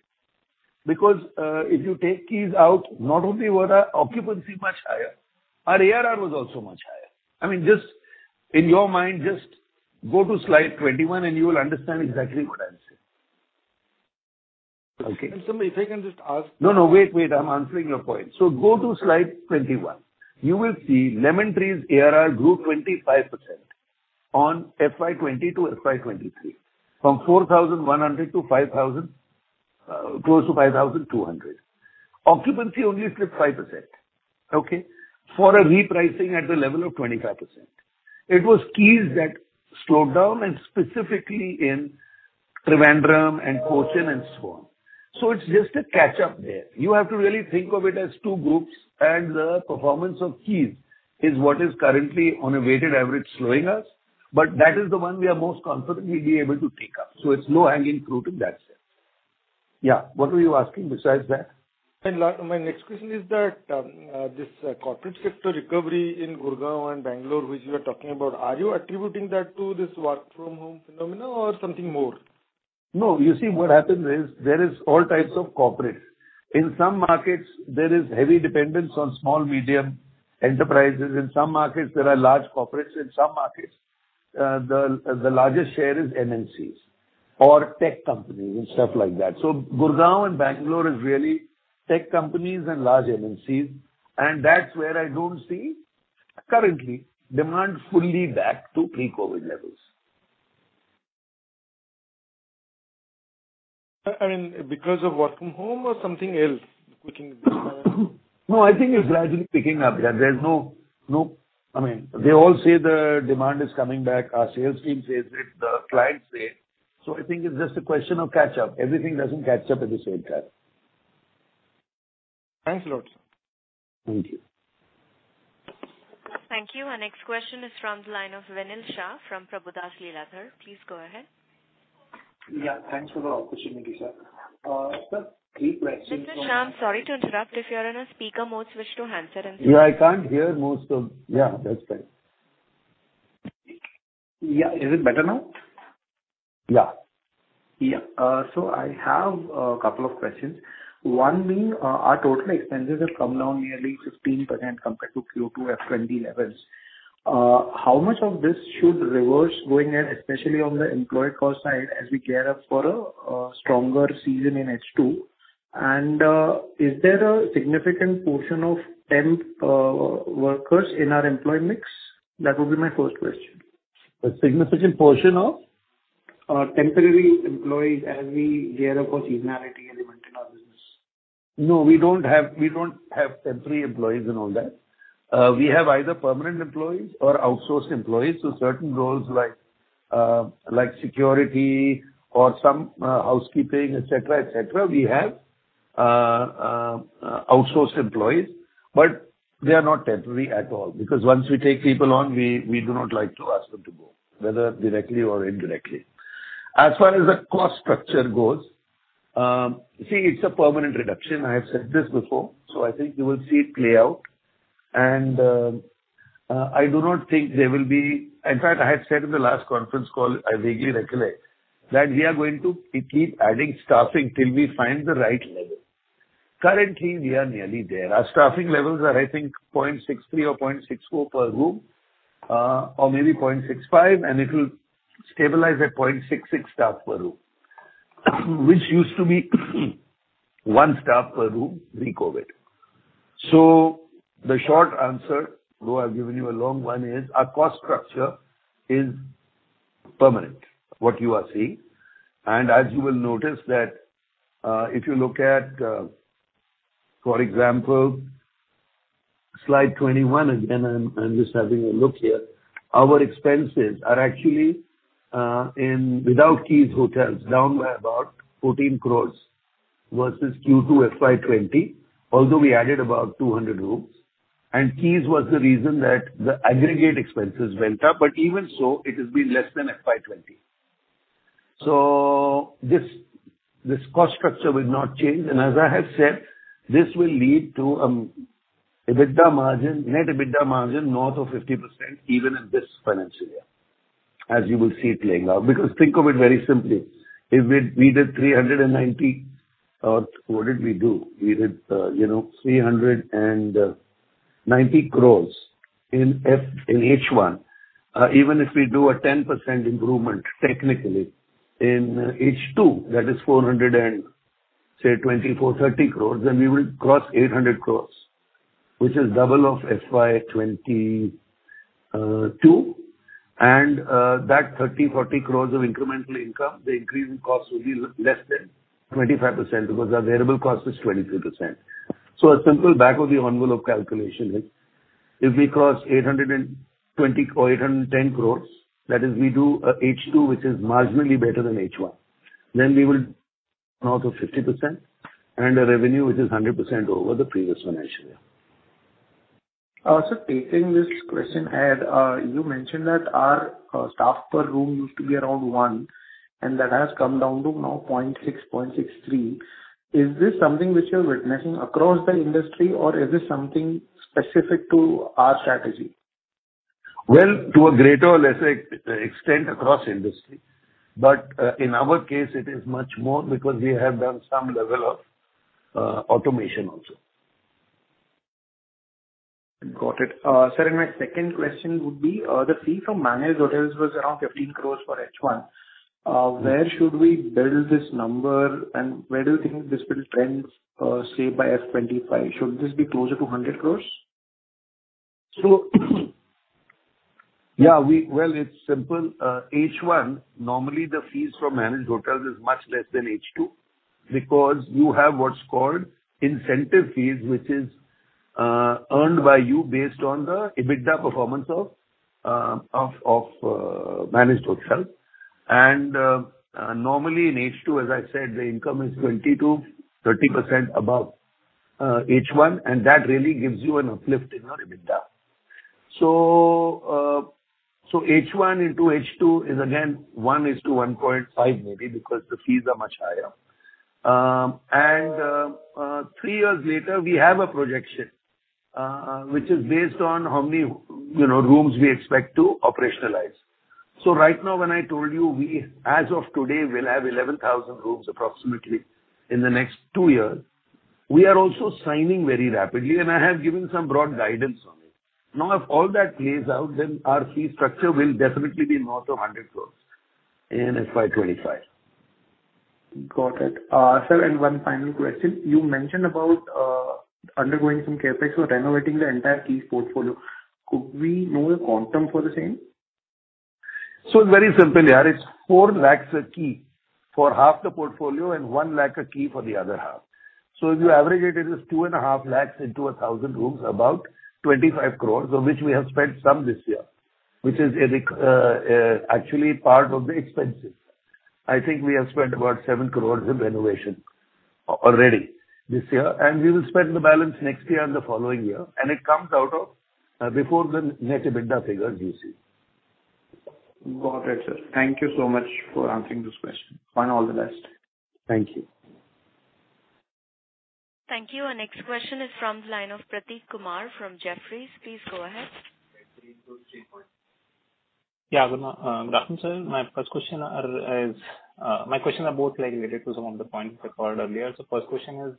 Because if you take Keys out, not only were our occupancy much higher, our ARR was also much higher. I mean, just in your mind, just go to slide 21 and you will understand exactly what I'm saying. Okay? Sir, if I can just ask. No, wait. I'm answering your point. Go to slide 21. You will see Lemon Tree's ARR grew 25% on FY 2020 to FY 2023. From 4,100 to 5,000, close to 5,200. Occupancy only slipped 5%, okay? For a repricing at the level of 25%. It was Keys that slowed down, and specifically in Trivandrum and Cochin and so on. It's just a catch-up there. You have to really think of it as two groups, and the performance of Keys is what is currently on a weighted average slowing us. That is the one we are most confidently be able to pick up, so it's low-hanging fruit in that sense. Yeah. What were you asking besides that? My next question is that, this corporate sector recovery in Gurgaon and Bangalore, which you are talking about, are you attributing that to this work from home phenomena or something more? No. You see, what happens is there is all types of corporates. In some markets there is heavy dependence on small/medium enterprises. In some markets there are large corporates. In some markets, the largest share is MNCs or tech companies and stuff like that. Gurgaon and Bangalore is really tech companies and large MNCs, and that's where I don't see currently demand fully back to pre-COVID levels. I mean, because of work from home or something else we can. No, I think it's gradually picking up. I mean, they all say the demand is coming back. Our sales team says it, the clients say it. I think it's just a question of catch up. Everything doesn't catch up at the same time. Thanks a lot, sir. Thank you. Thank you. Our next question is from the line of Venil Shah from Prabhudas Lilladher. Please go ahead. Yeah. Thanks for the opportunity, sir. Sir, three questions. Mr. Shah, I'm sorry to interrupt. If you're in a speaker mode, switch to handset and- Yeah, that's fine. Yeah. Is it better now? Yeah. Yeah. So I have a couple of questions. One being, our total expenses have come down nearly 16% compared to Q2 FY2020 levels. How much of this should reverse going in, especially on the employee cost side as we gear up for a stronger season in H2? And, is there a significant portion of temp workers in our employee mix? That would be my first question. A significant portion of? Temporary employees as we gear up for seasonality element in our business. No, we don't have temporary employees and all that. We have either permanent employees or outsourced employees. Certain roles like security or some housekeeping, et cetera, we have outsourced employees. They are not temporary at all, because once we take people on, we do not like to ask them to go, whether directly or indirectly. As far as the cost structure goes, it's a permanent reduction. I have said this before, so I think you will see it play out. I do not think there will be. In fact, I have said in the last conference call, I vaguely recollect, that we are going to keep adding staffing till we find the right level. Currently, we are nearly there. Our staffing levels are, I think 0.63 or 0.64 per room, or maybe 0.65, and it'll stabilize at 0.66 staff per room. Which used to be one staff per room pre-COVID. The short answer, though I've given you a long one, is our cost structure is permanent, what you are seeing. As you will notice that, if you look at, for example, slide 21, again, I'm just having a look here. Our expenses are actually even without Keys hotels, down by about 14 crore versus Q2 FY 2020, although we added about 200 rooms. Keys was the reason that the aggregate expenses went up, but even so, it has been less than FY 2020. This cost structure will not change. As I have said, this will lead to EBITDA margin, net EBITDA margin north of 50% even in this financial year, as you will see it playing out. Think of it very simply. If we did INR 390 crore in H1. Even if we do a 10% improvement technically in H2, that is 400 and, say, 24, 30 crore, then we will cross 800 crore, which is double of FY 2022. That 30, 40 crore of incremental income, the increase in cost will be less than 25% because our variable cost is 22%. A simple back-of-the-envelope calculation is if we cross 820 crores or 810 crores, that is we do a H2 which is marginally better than H1, then we will north of 50% and a revenue which is 100% over the previous financial year. Sir, taking this question ahead, you mentioned that our staff per room used to be around one. And that has come down to now 0.6, 0.63. Is this something which you're witnessing across the industry or is this something specific to our strategy? Well, to a greater or lesser extent across industry. In our case it is much more because we have done some level of automation also. Got it. Sir, my second question would be, the fee for managed hotels was around 15 crores for H1. Mm-hmm. Where should we build this number and where do you think this will trend, say, by FY 25? Should this be closer to 100 crore? Well, it's simple. H1, normally the fees for managed hotels is much less than H2 because you have what's called incentive fees, which is earned by you based on the EBITDA performance of managed hotels. Normally in H2, as I said, the income is 20%-30% above H1, and that really gives you an uplift in your EBITDA. H1 into H2 is again one to 1.5 maybe because the fees are much higher. Three years later we have a projection, which is based on how many, you know, rooms we expect to operationalize. Right now when I told you we as of today will have 11,000 rooms approximately in the next two years, we are also signing very rapidly, and I have given some broad guidance on it. Now, if all that plays out, then our fee structure will definitely be north of 100 crore in FY 2025. Got it. Sir, one final question. You mentioned about undergoing some CapEx or renovating the entire Keys portfolio. Could we know the quantum for the same? It's very simple. Yeah, it's 4 lakh a key for half the portfolio and 1 lakh a key for the other half. If you average it is 2.5 lakh into 1,000 rooms, about 25 crore, of which we have spent some this year, which is actually part of the expenses. I think we have spent about 7 crore in renovation already this year, and we will spend the balance next year and the following year, and it comes out of before the net EBITDA figure you see. Got it, sir. Thank you so much for answering this question. All the best. Thank you. Thank you. Our next question is from the line of Prateek Kumar from Jefferies. Please go ahead. Good afternoon, sir. My questions are both, like, related to some of the points you covered earlier. First question is,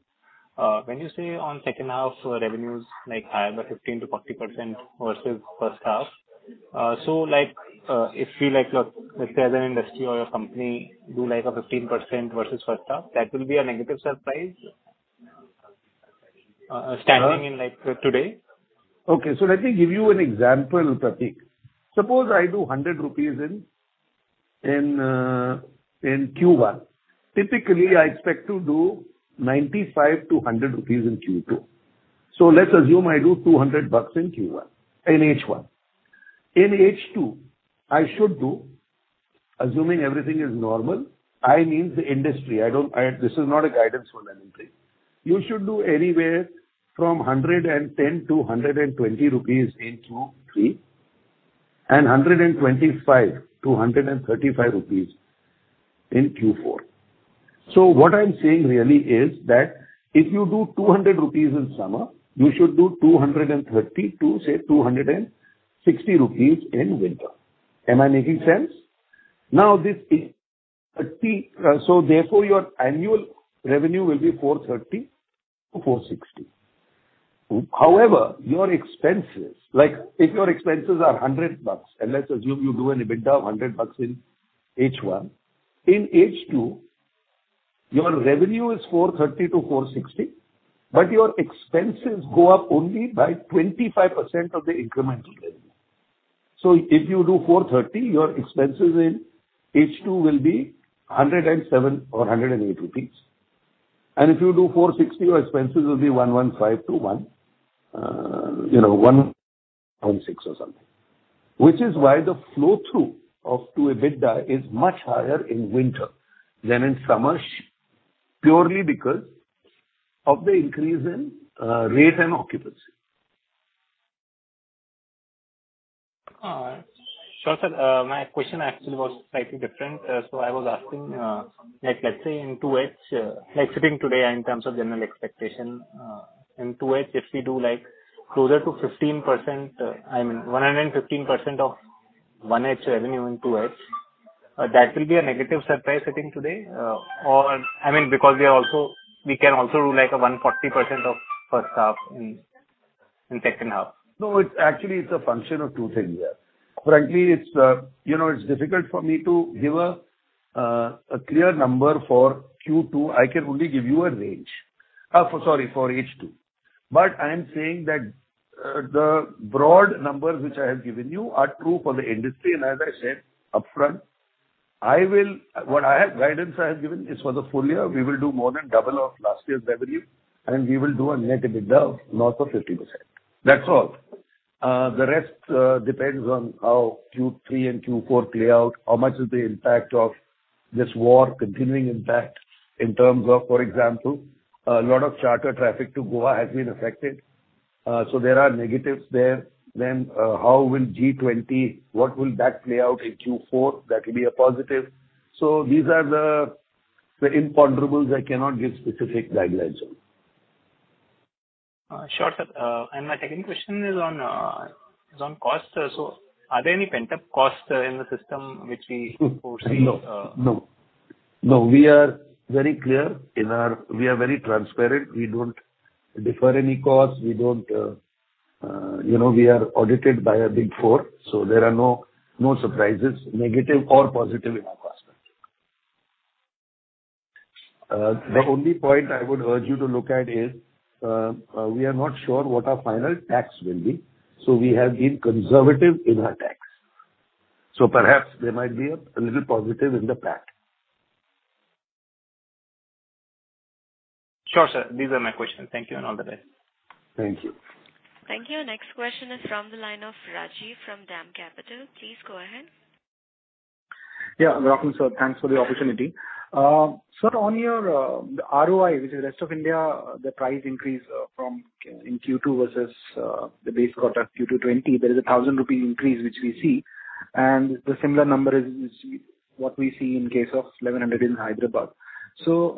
when you say on second half revenues, like, higher by 15%-40% versus first half, so, like, if we, like, let's say as an industry or your company do, like, a 15% versus first half, that will be a negative surprise, standing in, like, today? Okay. Let me give you an example, Prateek. Suppose I do 100 rupees in Q1. Typically, I expect to do 95-100 rupees in Q2. Let's assume I do INR 200 in H1. In H2 I should do, assuming everything is normal, I mean the industry. This is not a guidance for an entry. You should do anywhere from 110-120 rupees in Q3, and 125-135 rupees in Q4. What I'm saying really is that if you do 200 rupees in summer, you should do 230-260 rupees in winter. Am I making sense? This is 30, so therefore your annual revenue will be 430-460. However, your expenses, like if your expenses are 100 bucks, and let's assume you do an EBITDA of 100 bucks in H1. In H2 your revenue is 430-460, but your expenses go up only by 25% of the incremental revenue. If you do 430, your expenses in H2 will be 107 or 108 rupees. If you do 460, your expenses will be 115-116, you know, or something. Which is why the flow-through to EBITDA is much higher in winter than in summer, purely because of the increase in rate and occupancy. Sure, sir. My question actually was slightly different. So I was asking, like let's say in 2H, like sitting today in terms of general expectation, in 2H if we do, like, closer to 15%, I mean 115% of 1H revenue in 2H, that will be a negative surprise sitting today? Or I mean because we are also we can also do like a 140% of first half in second half. No, it's actually a function of two things here. Frankly, it's difficult for me to give a clear number for Q2. I can only give you a range for H2. I am saying that the broad numbers which I have given you are true for the industry. As I said upfront, guidance I have given is for the full year we will do more than double of last year's revenue and we will do a net EBITDA north of 50%. That's all. The rest depends on how Q3 and Q4 play out, how much is the impact of this war continuing impact in terms of, for example, a lot of charter traffic to Goa has been affected. There are negatives there. How will G20, what will that play out in Q4? That will be a positive. These are the imponderables I cannot give specific guidelines on. Sure, sir. My second question is on costs. Are there any pent-up costs in the system which we foresee? No, we are very transparent. We don't defer any costs. We are audited by a Big Four, so there are no surprises, negative or positive, in our costs. The only point I would urge you to look at is, we are not sure what our final tax will be, so we have been conservative in our tax. Perhaps there might be a little positive in the PAT. Sure, sir. These are my questions. Thank you and all the best. Thank you. Thank you. Next question is from the line of Rajiv from DAM Capital. Please go ahead. Yeah. Welcome, sir. Thanks for the opportunity. Sir, on your ROI, which is rest of India, the price increase from Q2 versus the base quarter Q2 2020, there is an 1,000 rupee increase, which we see. The similar number is what we see in case of 1,100 in Hyderabad. While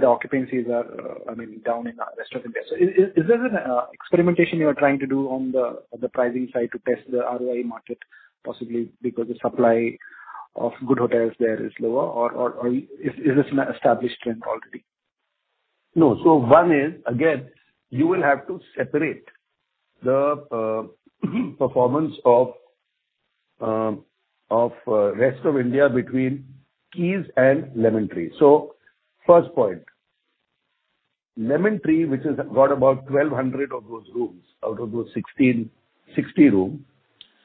the occupancies are, I mean, down in rest of India. Is this an experimentation you are trying to do on the pricing side to test the ROI market, possibly because the supply of good hotels there is lower or is this an established trend already? No. One is, again, you will have to separate the performance of rest of India between Keys and Lemon Tree. First point, Lemon Tree, which has got about 1,200 of those rooms out of those 1,660 rooms,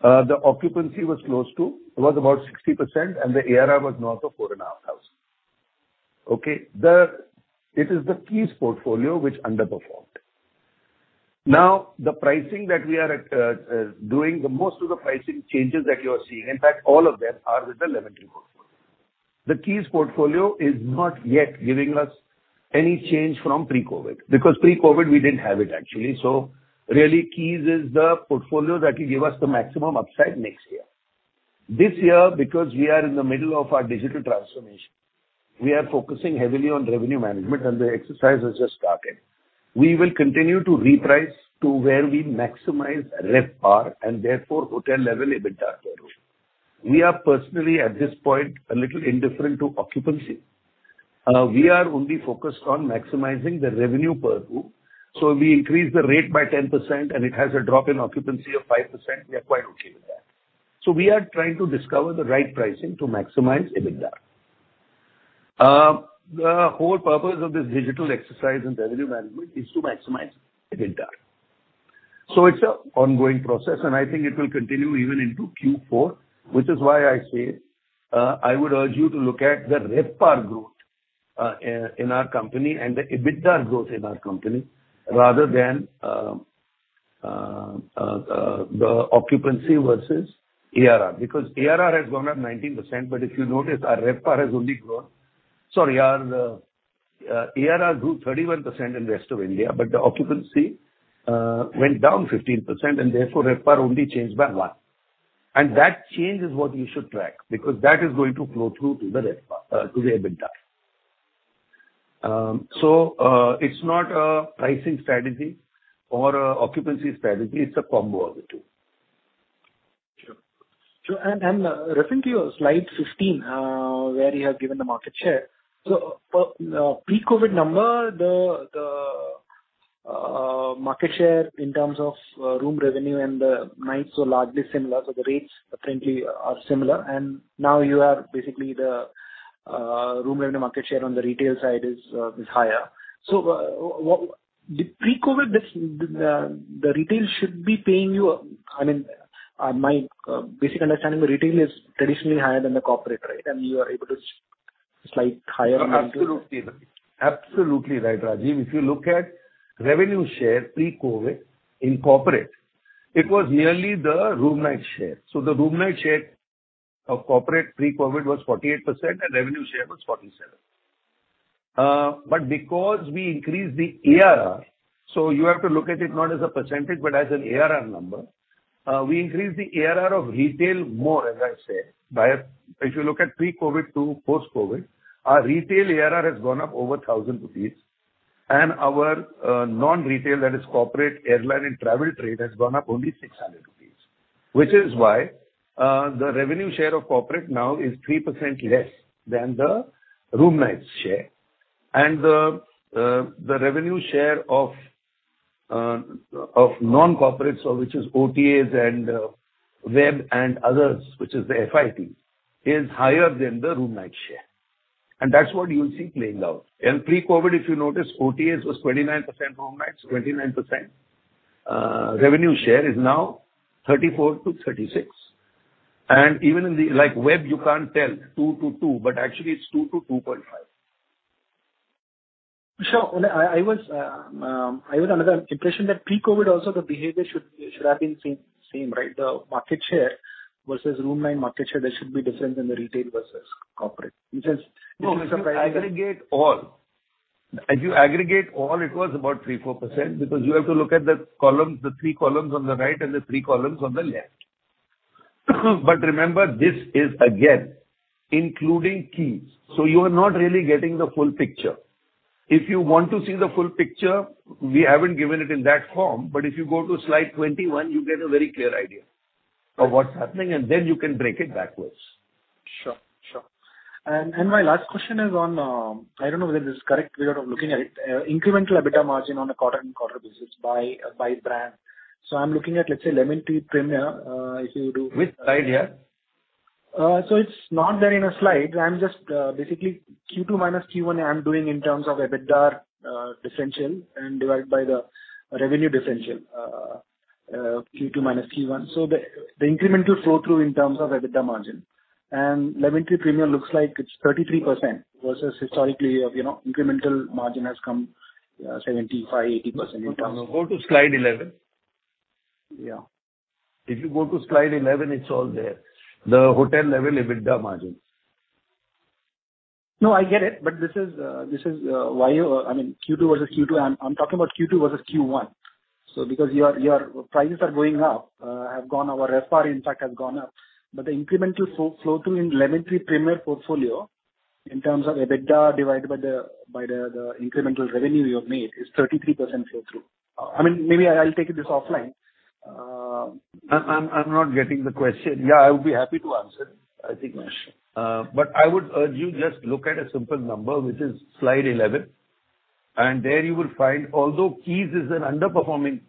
the occupancy was about 60% and the ARR was north of 4,500. Okay. It is the Keys portfolio which underperformed. Now, the pricing that we are doing, the most of the pricing changes that you are seeing, in fact all of them are with the Lemon Tree portfolio. The Keys portfolio is not yet giving us any change from pre-COVID, because pre-COVID we didn't have it actually. Really Keys is the portfolio that will give us the maximum upside next year. This year, because we are in the middle of our digital transformation, we are focusing heavily on revenue management and the exercise has just started. We will continue to reprice to where we maximize RevPAR and therefore hotel level EBITDA per room. We are personally, at this point, a little indifferent to occupancy. We are only focused on maximizing the revenue per room, so if we increase the rate by 10% and it has a drop in occupancy of 5%, we are quite okay with that. We are trying to discover the right pricing to maximize EBITDA. The whole purpose of this digital exercise in revenue management is to maximize EBITDA. It's an ongoing process, and I think it will continue even into Q4, which is why I say I would urge you to look at the RevPAR growth in our company and the EBITDA growth in our company rather than the occupancy versus ARR. Because ARR has gone up 19%, but if you notice our ARR grew 31% in rest of India, but the occupancy went down 15% and therefore RevPAR only changed by one. That change is what you should track because that is going to flow through to the RevPAR to the EBITDA. It's not a pricing strategy or an occupancy strategy, it's a combo of the two. Sure. Referring to your slide 15, where you have given the market share. Per the pre-COVID number, the market share in terms of room revenue and the nights were largely similar, so the rates apparently are similar. Now you have basically the room revenue market share on the retail side is higher. The pre-COVID, the retail should be paying you. I mean, my basic understanding, the retail is traditionally higher than the corporate, right? You are able to slightly higher margins. Absolutely right, Rajiv. If you look at revenue share pre-COVID in corporate, it was nearly the room night share. The room night share of corporate pre-COVID was 48% and revenue share was 47%. But because we increased the ARR, you have to look at it not as a percentage but as an ARR number. We increased the ARR of retail more, as I said. If you look at pre-COVID to post-COVID, our retail ARR has gone up over 1,000 rupees and our non-retail, that is corporate, airline and travel trade, has gone up only 600 rupees. Which is why the revenue share of corporate now is 3% less than the room nights share. The revenue share of non-corporate, so which is OTAs and web and others, which is the FIT, is higher than the room night share. That's what you will see playing out. In pre-COVID if you notice, OTAs was 29%, room nights 29%. Revenue share is now 34%-36%. Even in the, like web you can't tell, 2%-2%, but actually it's 2%-2.5%. Sure. I was under the impression that pre-COVID also the behavior should have been same, right? The market share versus room night market share, there should be difference in the retail versus corporate, which is No, if you aggregate all. As you aggregate all, it was about 3-4% because you have to look at the columns, the three columns on the right and the three columns on the left. Remember, this is again including Keys. You are not really getting the full picture. If you want to see the full picture, we haven't given it in that form. If you go to slide 21, you get a very clear idea of what's happening, and then you can break it backwards. Sure. My last question is on, I don't know whether this is correct way of looking at it. Incremental EBITDA margin on a quarter-on-quarter basis by brand. I'm looking at, let's say, Lemon Tree Premier, if you do- Which slide, yeah? It's not there in a slide. I'm just basically Q2 minus Q1 I am doing in terms of EBITDA differential and divide by the revenue differential Q2 minus Q1. The incremental flow through in terms of EBITDA margin. Lemon Tree Premier looks like it's 33% versus historically of, you know, incremental margin has come 75, 80%. Go to slide 11. Yeah. If you go to slide 11, it's all there. The hotel level EBITDA margins. No, I get it, but this is why you... I mean Q2 versus Q2. I'm talking about Q2 versus Q1. Because your prices are going up, have gone, our RevPAR in fact has gone up. But the incremental flow through in Lemon Tree Premier portfolio in terms of EBITDA divided by the incremental revenue you have made is 33% flow through. I mean, maybe I'll take this offline. I'm not getting the question. Yeah, I would be happy to answer it, I think. Sure. I would urge you just look at a simple number, which is slide 11. There you will find although Keys is an underperforming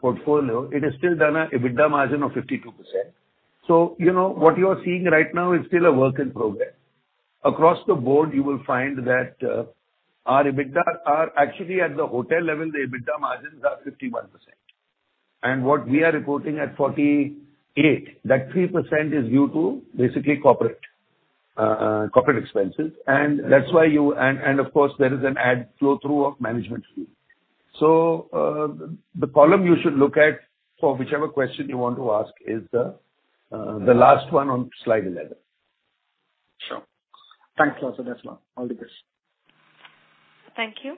portfolio, it has still done an EBITDA margin of 52%. You know, what you are seeing right now is still a work in progress. Across the board you will find that our EBITDA are actually at the hotel level, the EBITDA margins are 51%. What we are reporting at 48, that 3% is due to basically corporate expenses. Of course there is an add flow through of management fee. The column you should look at for whichever question you want to ask is the last one on slide 11. Sure. Thanks a lot, Sudeshna. All the best. Thank you.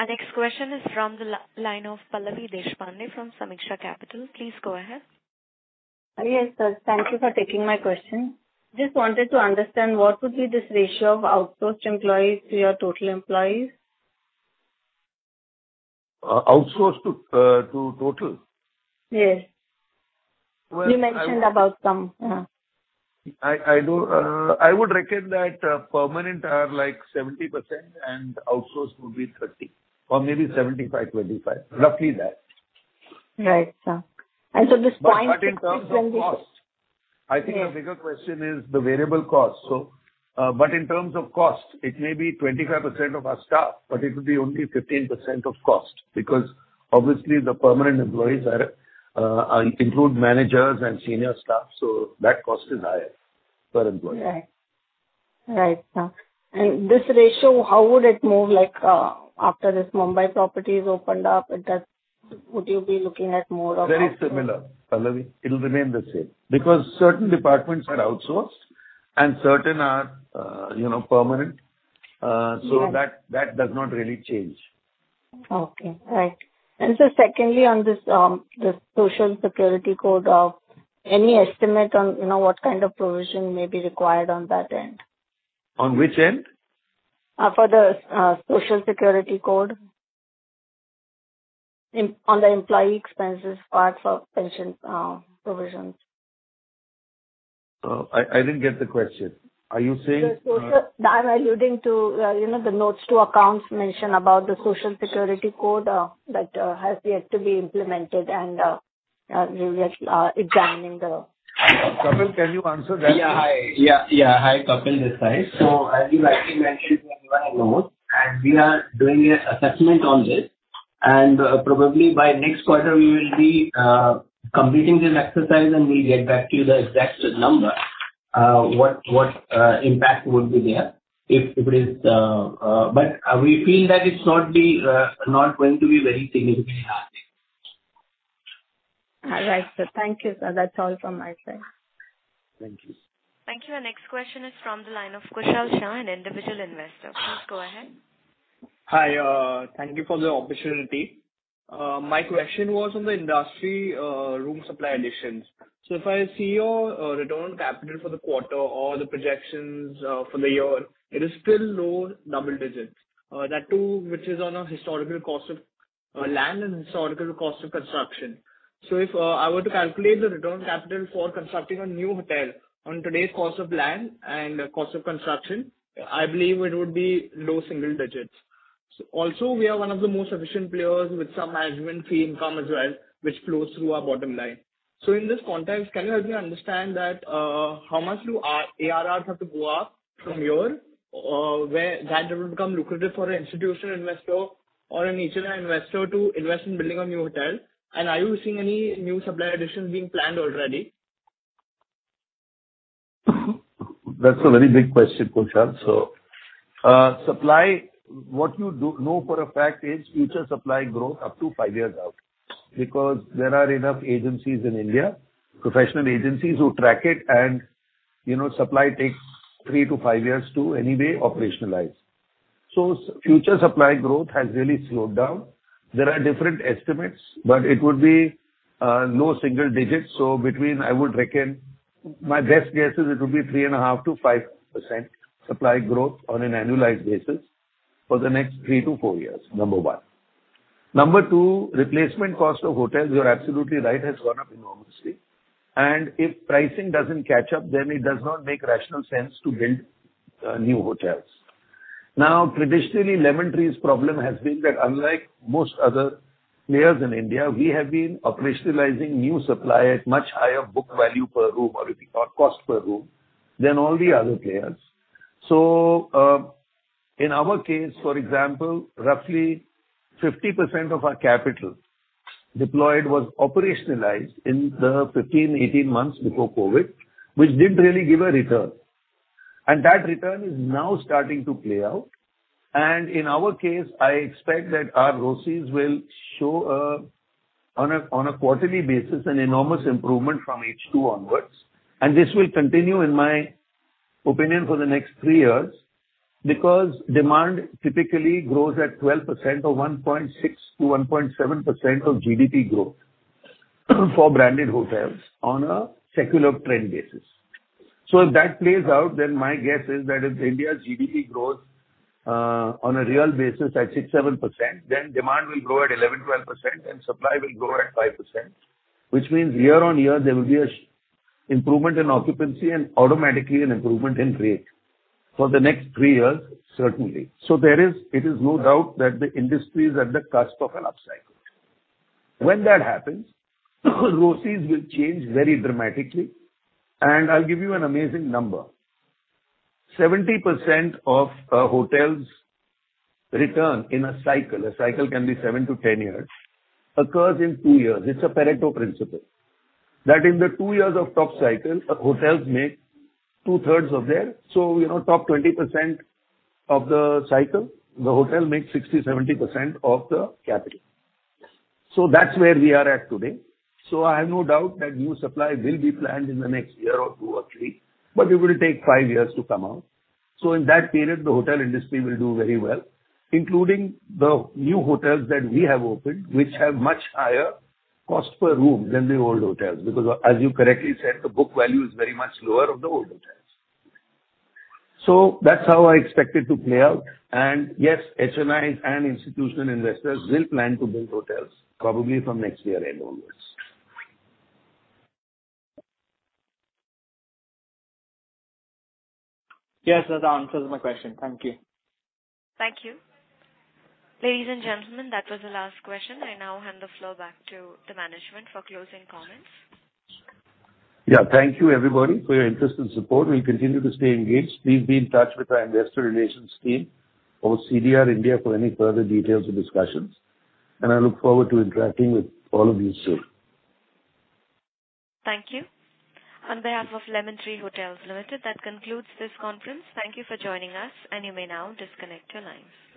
Our next question is from the line of Pallavi Deshpande from Sameeksha Capital. Please go ahead. Yes, sir. Thank you for taking my question. Just wanted to understand what would be this ratio of outsourced employees to your total employees. outsourced to total? Yes. Well, I would. You mentioned about some. I would reckon that permanent are like 70% and outsourced would be 30, or maybe 75%-25. Roughly that. Right. Sir. This. Cutting terms and costs. Yes. I think a bigger question is the variable cost. In terms of cost, it may be 25% of our staff, but it will be only 15% of cost. Because obviously the permanent employees include managers and senior staff, so that cost is higher per employee. Right. Sir. This ratio, how would it move, like, after this Mumbai property is opened up? Would you be looking at more of Very similar, Pallavi. It'll remain the same. Because certain departments are outsourced and certain are, you know, permanent. Yes. That does not really change. Okay. Right. Sir, secondly on this Social Security code, any estimate on, you know, what kind of provision may be required on that end? On which end? For the Social Security Code. Impact on the employee expenses, parts of pension provisions. I didn't get the question. Are you saying, I'm alluding to, you know, the notes to accounts mention about the Code on Social Security, 2020 that has yet to be implemented, and we are examining the Kapil, can you answer that please? Hi, Kapil Sharma. As you rightly mentioned in your notes, we are doing an assessment on this, and probably by next quarter we will be completing this exercise, and we'll get back to you the exact number. What impact would be there if it is? We feel that it's not going to be very significantly high. All right, sir. Thank you, sir. That's all from my side. Thank you. Thank you. Our next question is from the line of Kushal Shah, an individual investor. Please go ahead. Hi. Thank you for the opportunity. My question was on the industry, room supply additions. If I see your return on capital for the quarter or the projections for the year, it is still low double digits. That too, which is on a historical cost of land and historical cost of construction. If I were to calculate the return on capital for constructing a new hotel on today's cost of land and cost of construction, I believe it would be low single digits. Also, we are one of the most efficient players with some management fee income as well, which flows through our bottom line. In this context, can you help me understand that, how much does ARR have to go up from here, where that will become lucrative for an institutional investor or an HNI investor to invest in building a new hotel? Are you seeing any new supply additions being planned already? That's a very big question, Kushal. Supply, what you do know for a fact is future supply growth up to five years out, because there are enough agencies in India, professional agencies who track it and, you know, supply takes three to five years to anyway operationalize. Future supply growth has really slowed down. There are different estimates, but it would be low single digits. Between, I would reckon, my best guess is it will be 3.5%-5% supply growth on an annualized basis for the next three to four years, number one. Number two, replacement cost of hotels, you're absolutely right, has gone up enormously. If pricing doesn't catch up, then it does not make rational sense to build new hotels. Now, traditionally, Lemon Tree's problem has been that unlike most other players in India, we have been operationalizing new supply at much higher book value per room or cost per room than all the other players. In our case, for example, roughly 50% of our capital deployed was operationalized in the 15, 18 months before COVID, which didn't really give a return. That return is now starting to play out. In our case, I expect that our ROCEs will show on a quarterly basis an enormous improvement from H2 onwards. This will continue, in my opinion, for the next 3 years, because demand typically grows at 12% or 1.6%-1.7% of GDP growth for branded hotels on a secular trend basis. If that plays out, then my guess is that if India's GDP grows on a real basis at 6-7%, then demand will grow at 11-12% and supply will grow at 5%, which means year-on-year there will be a significant improvement in occupancy and automatically an improvement in rate for the next three years, certainly. There is no doubt that the industry is at the cusp of an upcycle. When that happens, ROCEs will change very dramatically. I'll give you an amazing number. 70% of a hotel's return in a cycle, a cycle can be seven to 10 years, occurs in two years. It's a Pareto principle that in the two years of top cycle hotels make two-thirds of their returns. You know, top 20% of the cycle, the hotel makes 60-70% of the capital. That's where we are at today. I have no doubt that new supply will be planned in the next year or two or three, but it will take five years to come out. In that period the hotel industry will do very well, including the new hotels that we have opened, which have much higher cost per room than the old hotels, because as you correctly said, the book value is very much lower of the old hotels. That's how I expect it to play out. Yes, HNIs and institutional investors will plan to build hotels probably from next year onwards. Yes, that answers my question. Thank you. Thank you. Ladies and gentlemen, that was the last question. I now hand the floor back to the management for closing comments. Yeah. Thank you everybody for your interest and support. We'll continue to stay engaged. Please be in touch with our investor relations team or CDR India for any further details or discussions. I look forward to interacting with all of you soon. Thank you. On behalf of Lemon Tree Hotels Limited, that concludes this conference. Thank you for joining us and you may now disconnect your lines.